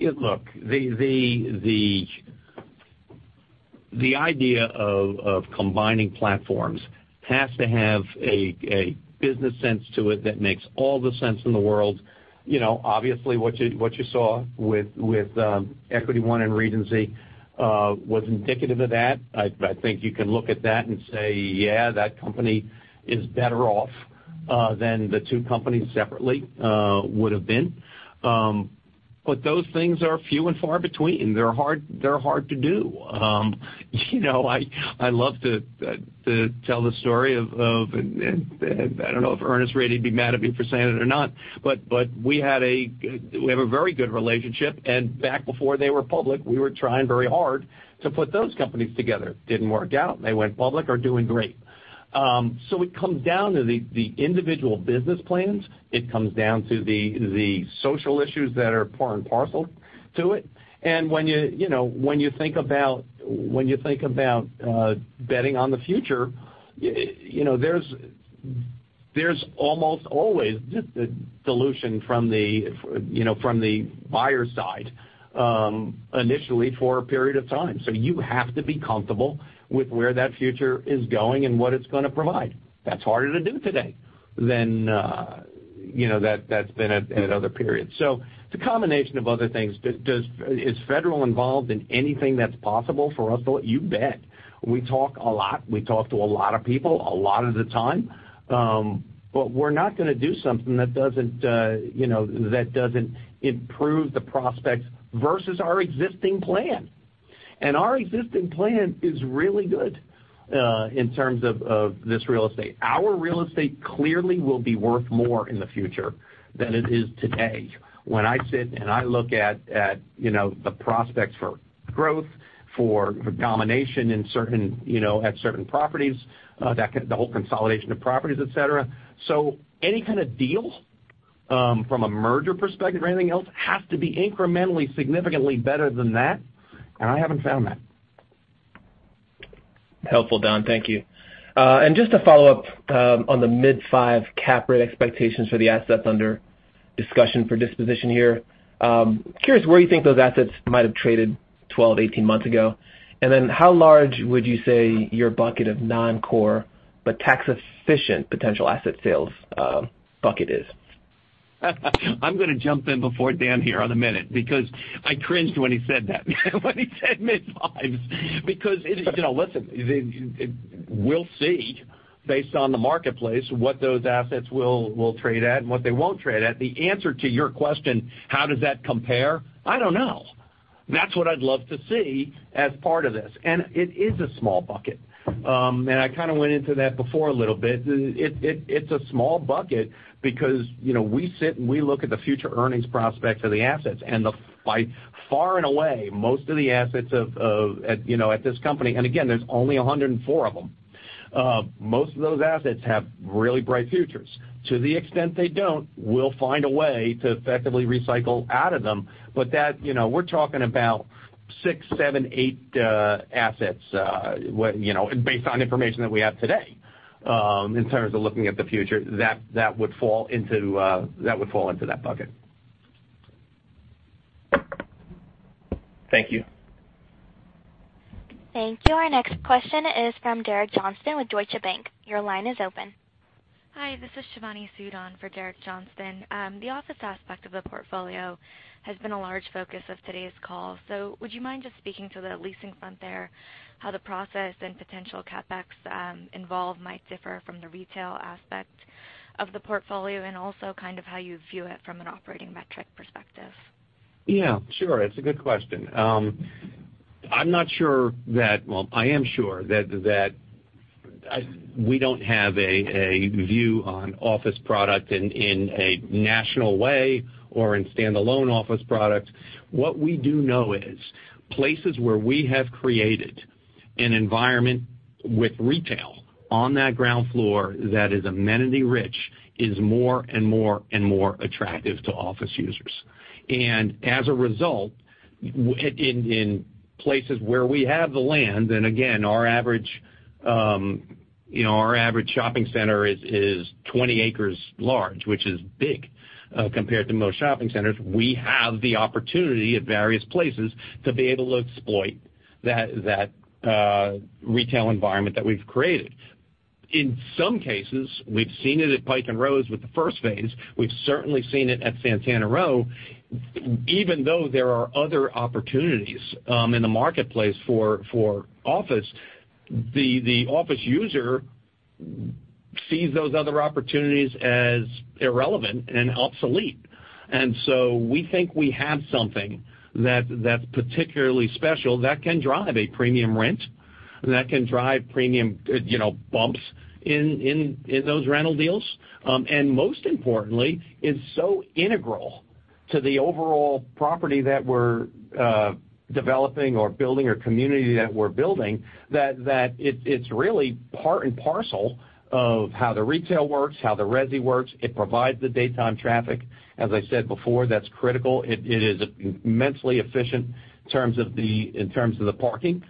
Look, the idea of combining platforms has to have a business sense to it that makes all the sense in the world. Obviously, what you saw with Equity One and Regency Centers was indicative of that. I think you can look at that and say, "Yeah, that company is better off than the two companies separately would've been." Those things are few and far between. They're hard to do. I love to tell the story of, I don't know if Ernest Rady would be mad at me for saying it or not, but we have a very good relationship. Back before they were public, we were trying very hard to put those companies together. Didn't work out. They went public, are doing great. It comes down to the individual business plans. It comes down to the social issues that are part and parcel to it. When you think about betting on the future, there's almost always just a dilution from the buyer's side initially for a period of time. You have to be comfortable with where that future is going and what it's going to provide. That's harder to do today than that's been at other periods. It's a combination of other things. Is Federal involved in anything that's possible for us? You bet. We talk a lot. We talk to a lot of people a lot of the time. We're not going to do something that doesn't improve the prospects versus our existing plan. Our existing plan is really good in terms of this real estate. Our real estate clearly will be worth more in the future than it is today. When I sit and I look at the prospects for growth, for domination at certain properties, the whole consolidation of properties, et cetera. Any kind of deals, from a merger perspective or anything else, have to be incrementally, significantly better than that, and I haven't found that. Helpful, Don. Thank you. Just to follow up on the mid-five cap rate expectations for the assets under discussion for disposition here. Curious where you think those assets might have traded 12, 18 months ago. How large would you say your bucket of non-core but tax-efficient potential asset sales bucket is? I'm going to jump in before Dan here on a minute, because I cringed when he said that. When he said mid-fives. Listen, we'll see based on the marketplace, what those assets will trade at and what they won't trade at. The answer to your question, how does that compare? I don't know. That's what I'd love to see as part of this. It is a small bucket. I kind of went into that before a little bit. It's a small bucket because we sit and we look at the future earnings prospects of the assets. By far and away, most of the assets at this company, and again, there's only 104 of them. Most of those assets have really bright futures. To the extent they don't, we'll find a way to effectively recycle out of them. We're talking six, seven, eight assets based on information that we have today in terms of looking at the future, that would fall into that bucket. Thank you. Thank you. Our next question is from Derek Johnston with Deutsche Bank. Your line is open. Hi, this is Shivani Sood on for Derek Johnston. Would you mind just speaking to the leasing front there, how the process and potential CapEx involved might differ from the retail aspect of the portfolio, and also kind of how you view it from an operating metric perspective? Yeah, sure. It's a good question. I'm not sure that Well, I am sure that we don't have a view on office product in a national way or in standalone office product. What we do know is places where we have created an environment with retail on that ground floor that is amenity-rich is more and more attractive to office users. As a result, in places where we have the land, and again, our average shopping center is 20 acres large, which is big compared to most shopping centers. We have the opportunity at various places to be able to exploit that retail environment that we've created. In some cases, we've seen it at Pike & Rose with the first phase. We've certainly seen it at Santana Row, even though there are other opportunities in the marketplace for office. The office user sees those other opportunities as irrelevant and obsolete. We think we have something that's particularly special that can drive a premium rent, that can drive premium bumps in those rental deals. Most importantly, it's so integral to the overall property that we're developing or building or community that we're building, that it's really part and parcel of how the retail works, how the resi works. It provides the daytime traffic. As I said before, that's critical. It is immensely efficient in terms of the parking.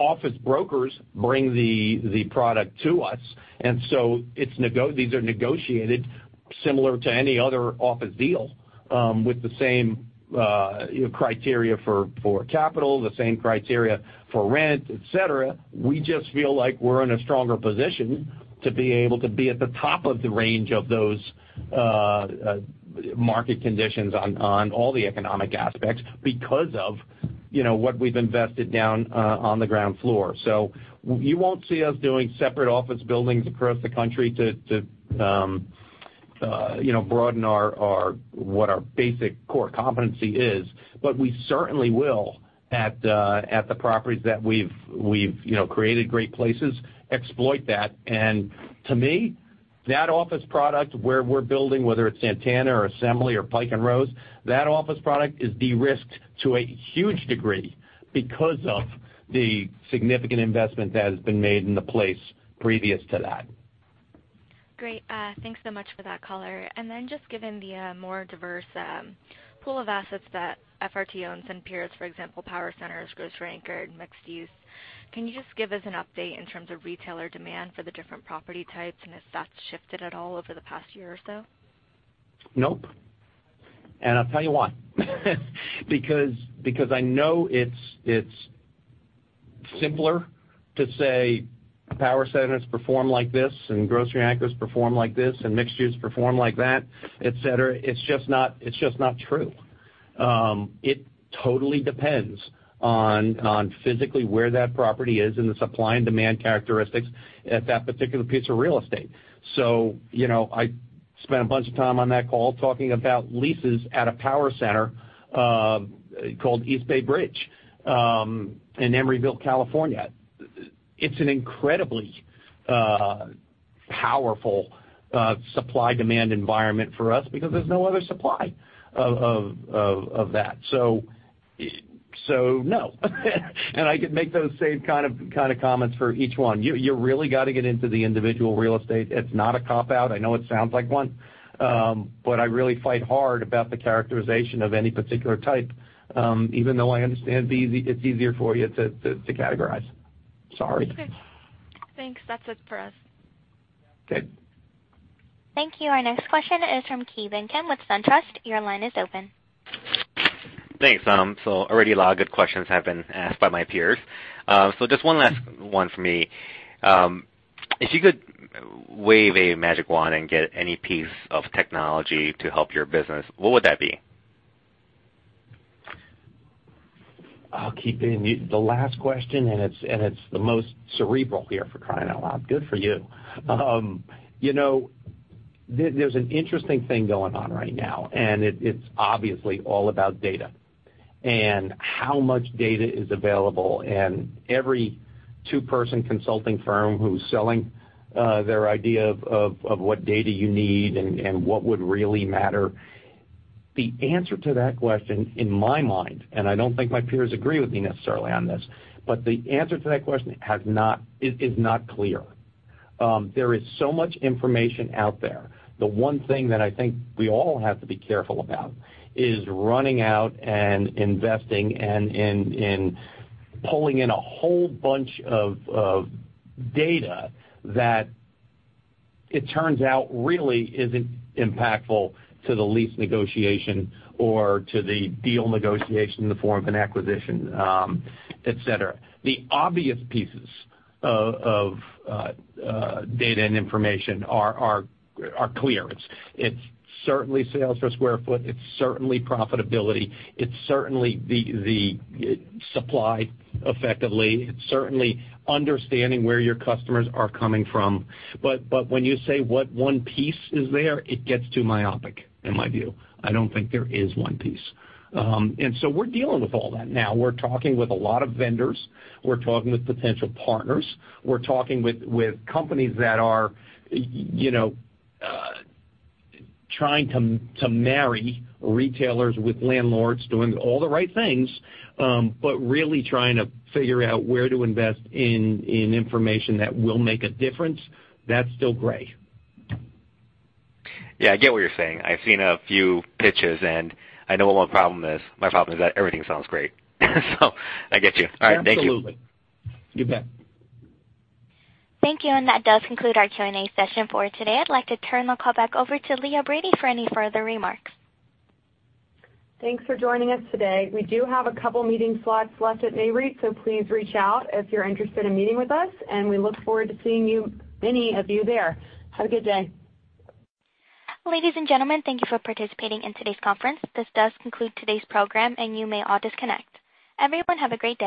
Office brokers bring the product to us. These are negotiated similar to any other office deal, with the same criteria for capital, the same criteria for rent, et cetera. We just feel like we're in a stronger position to be able to be at the top of the range of those market conditions on all the economic aspects because of what we've invested down on the ground floor. You won't see us doing separate office buildings across the country to broaden what our basic core competency is. We certainly will, at the properties that we've created great places, exploit that. To me, that office product where we're building, whether it's Santana or Assembly or Pike & Rose, that office product is de-risked to a huge degree because of the significant investment that has been made in the place previous to that. Great. Thanks so much for that color. Just given the more diverse pool of assets that FRT owns and peers, for example, power centers, grocery-anchored, mixed use, can you give us an update in terms of retailer demand for the different property types and if that's shifted at all over the past year or so? Nope. I'll tell you why. I know it's simpler to say power centers perform like this, and grocery anchors perform like this, and mixed use perform like that, et cetera. It's just not true. It totally depends on physically where that property is and the supply and demand characteristics at that particular piece of real estate. I spent a bunch of time on that call talking about leases at a power center called East Bay Bridge in Emeryville, California. It's an incredibly powerful supply-demand environment for us because there's no other supply of that. No. I could make those same kind of comments for each one. You really got to get into the individual real estate. It's not a cop-out. I know it sounds like one. I really fight hard about the characterization of any particular type, even though I understand it's easier for you to categorize. Sorry. It's good. Thanks. That's it for us. Good. Thank you. Our next question is from Ki Bin Kim with SunTrust. Your line is open. Thanks. Already a lot of good questions have been asked by my peers. Just one last one for me. If you could wave a magic wand and get any piece of technology to help your business, what would that be? Oh, Ki Bin, the last question, it's the most cerebral here, for crying out loud. Good for you. There's an interesting thing going on right now, it's obviously all about data and how much data is available, every two-person consulting firm who's selling their idea of what data you need and what would really matter. The answer to that question in my mind, I don't think my peers agree with me necessarily on this, the answer to that question is not clear. There is so much information out there. The one thing that I think we all have to be careful about is running out and investing and pulling in a whole bunch of data that it turns out really isn't impactful to the lease negotiation or to the deal negotiation in the form of an acquisition, etc. The obvious pieces of data and information are clear. It's certainly sales per sq ft. It's certainly profitability. It's certainly the supply effectively. It's certainly understanding where your customers are coming from. When you say what one piece is there, it gets too myopic in my view. I don't think there is one piece. We're dealing with all that now. We're talking with a lot of vendors. We're talking with potential partners. We're talking with companies that are trying to marry retailers with landlords, doing all the right things, but really trying to figure out where to invest in information that will make a difference. That's still gray. Yeah, I get what you're saying. I've seen a few pitches, I know what my problem is. My problem is that everything sounds great. I get you. All right, thank you. Absolutely. You bet. Thank you. That does conclude our Q&A session for today. I'd like to turn the call back over to Leah Brady for any further remarks. Thanks for joining us today. We do have a couple meeting slots left at NAREIT, please reach out if you're interested in meeting with us, we look forward to seeing you, many of you there. Have a good day. Ladies and gentlemen, thank you for participating in today's conference. This does conclude today's program, and you may all disconnect. Everyone, have a great day.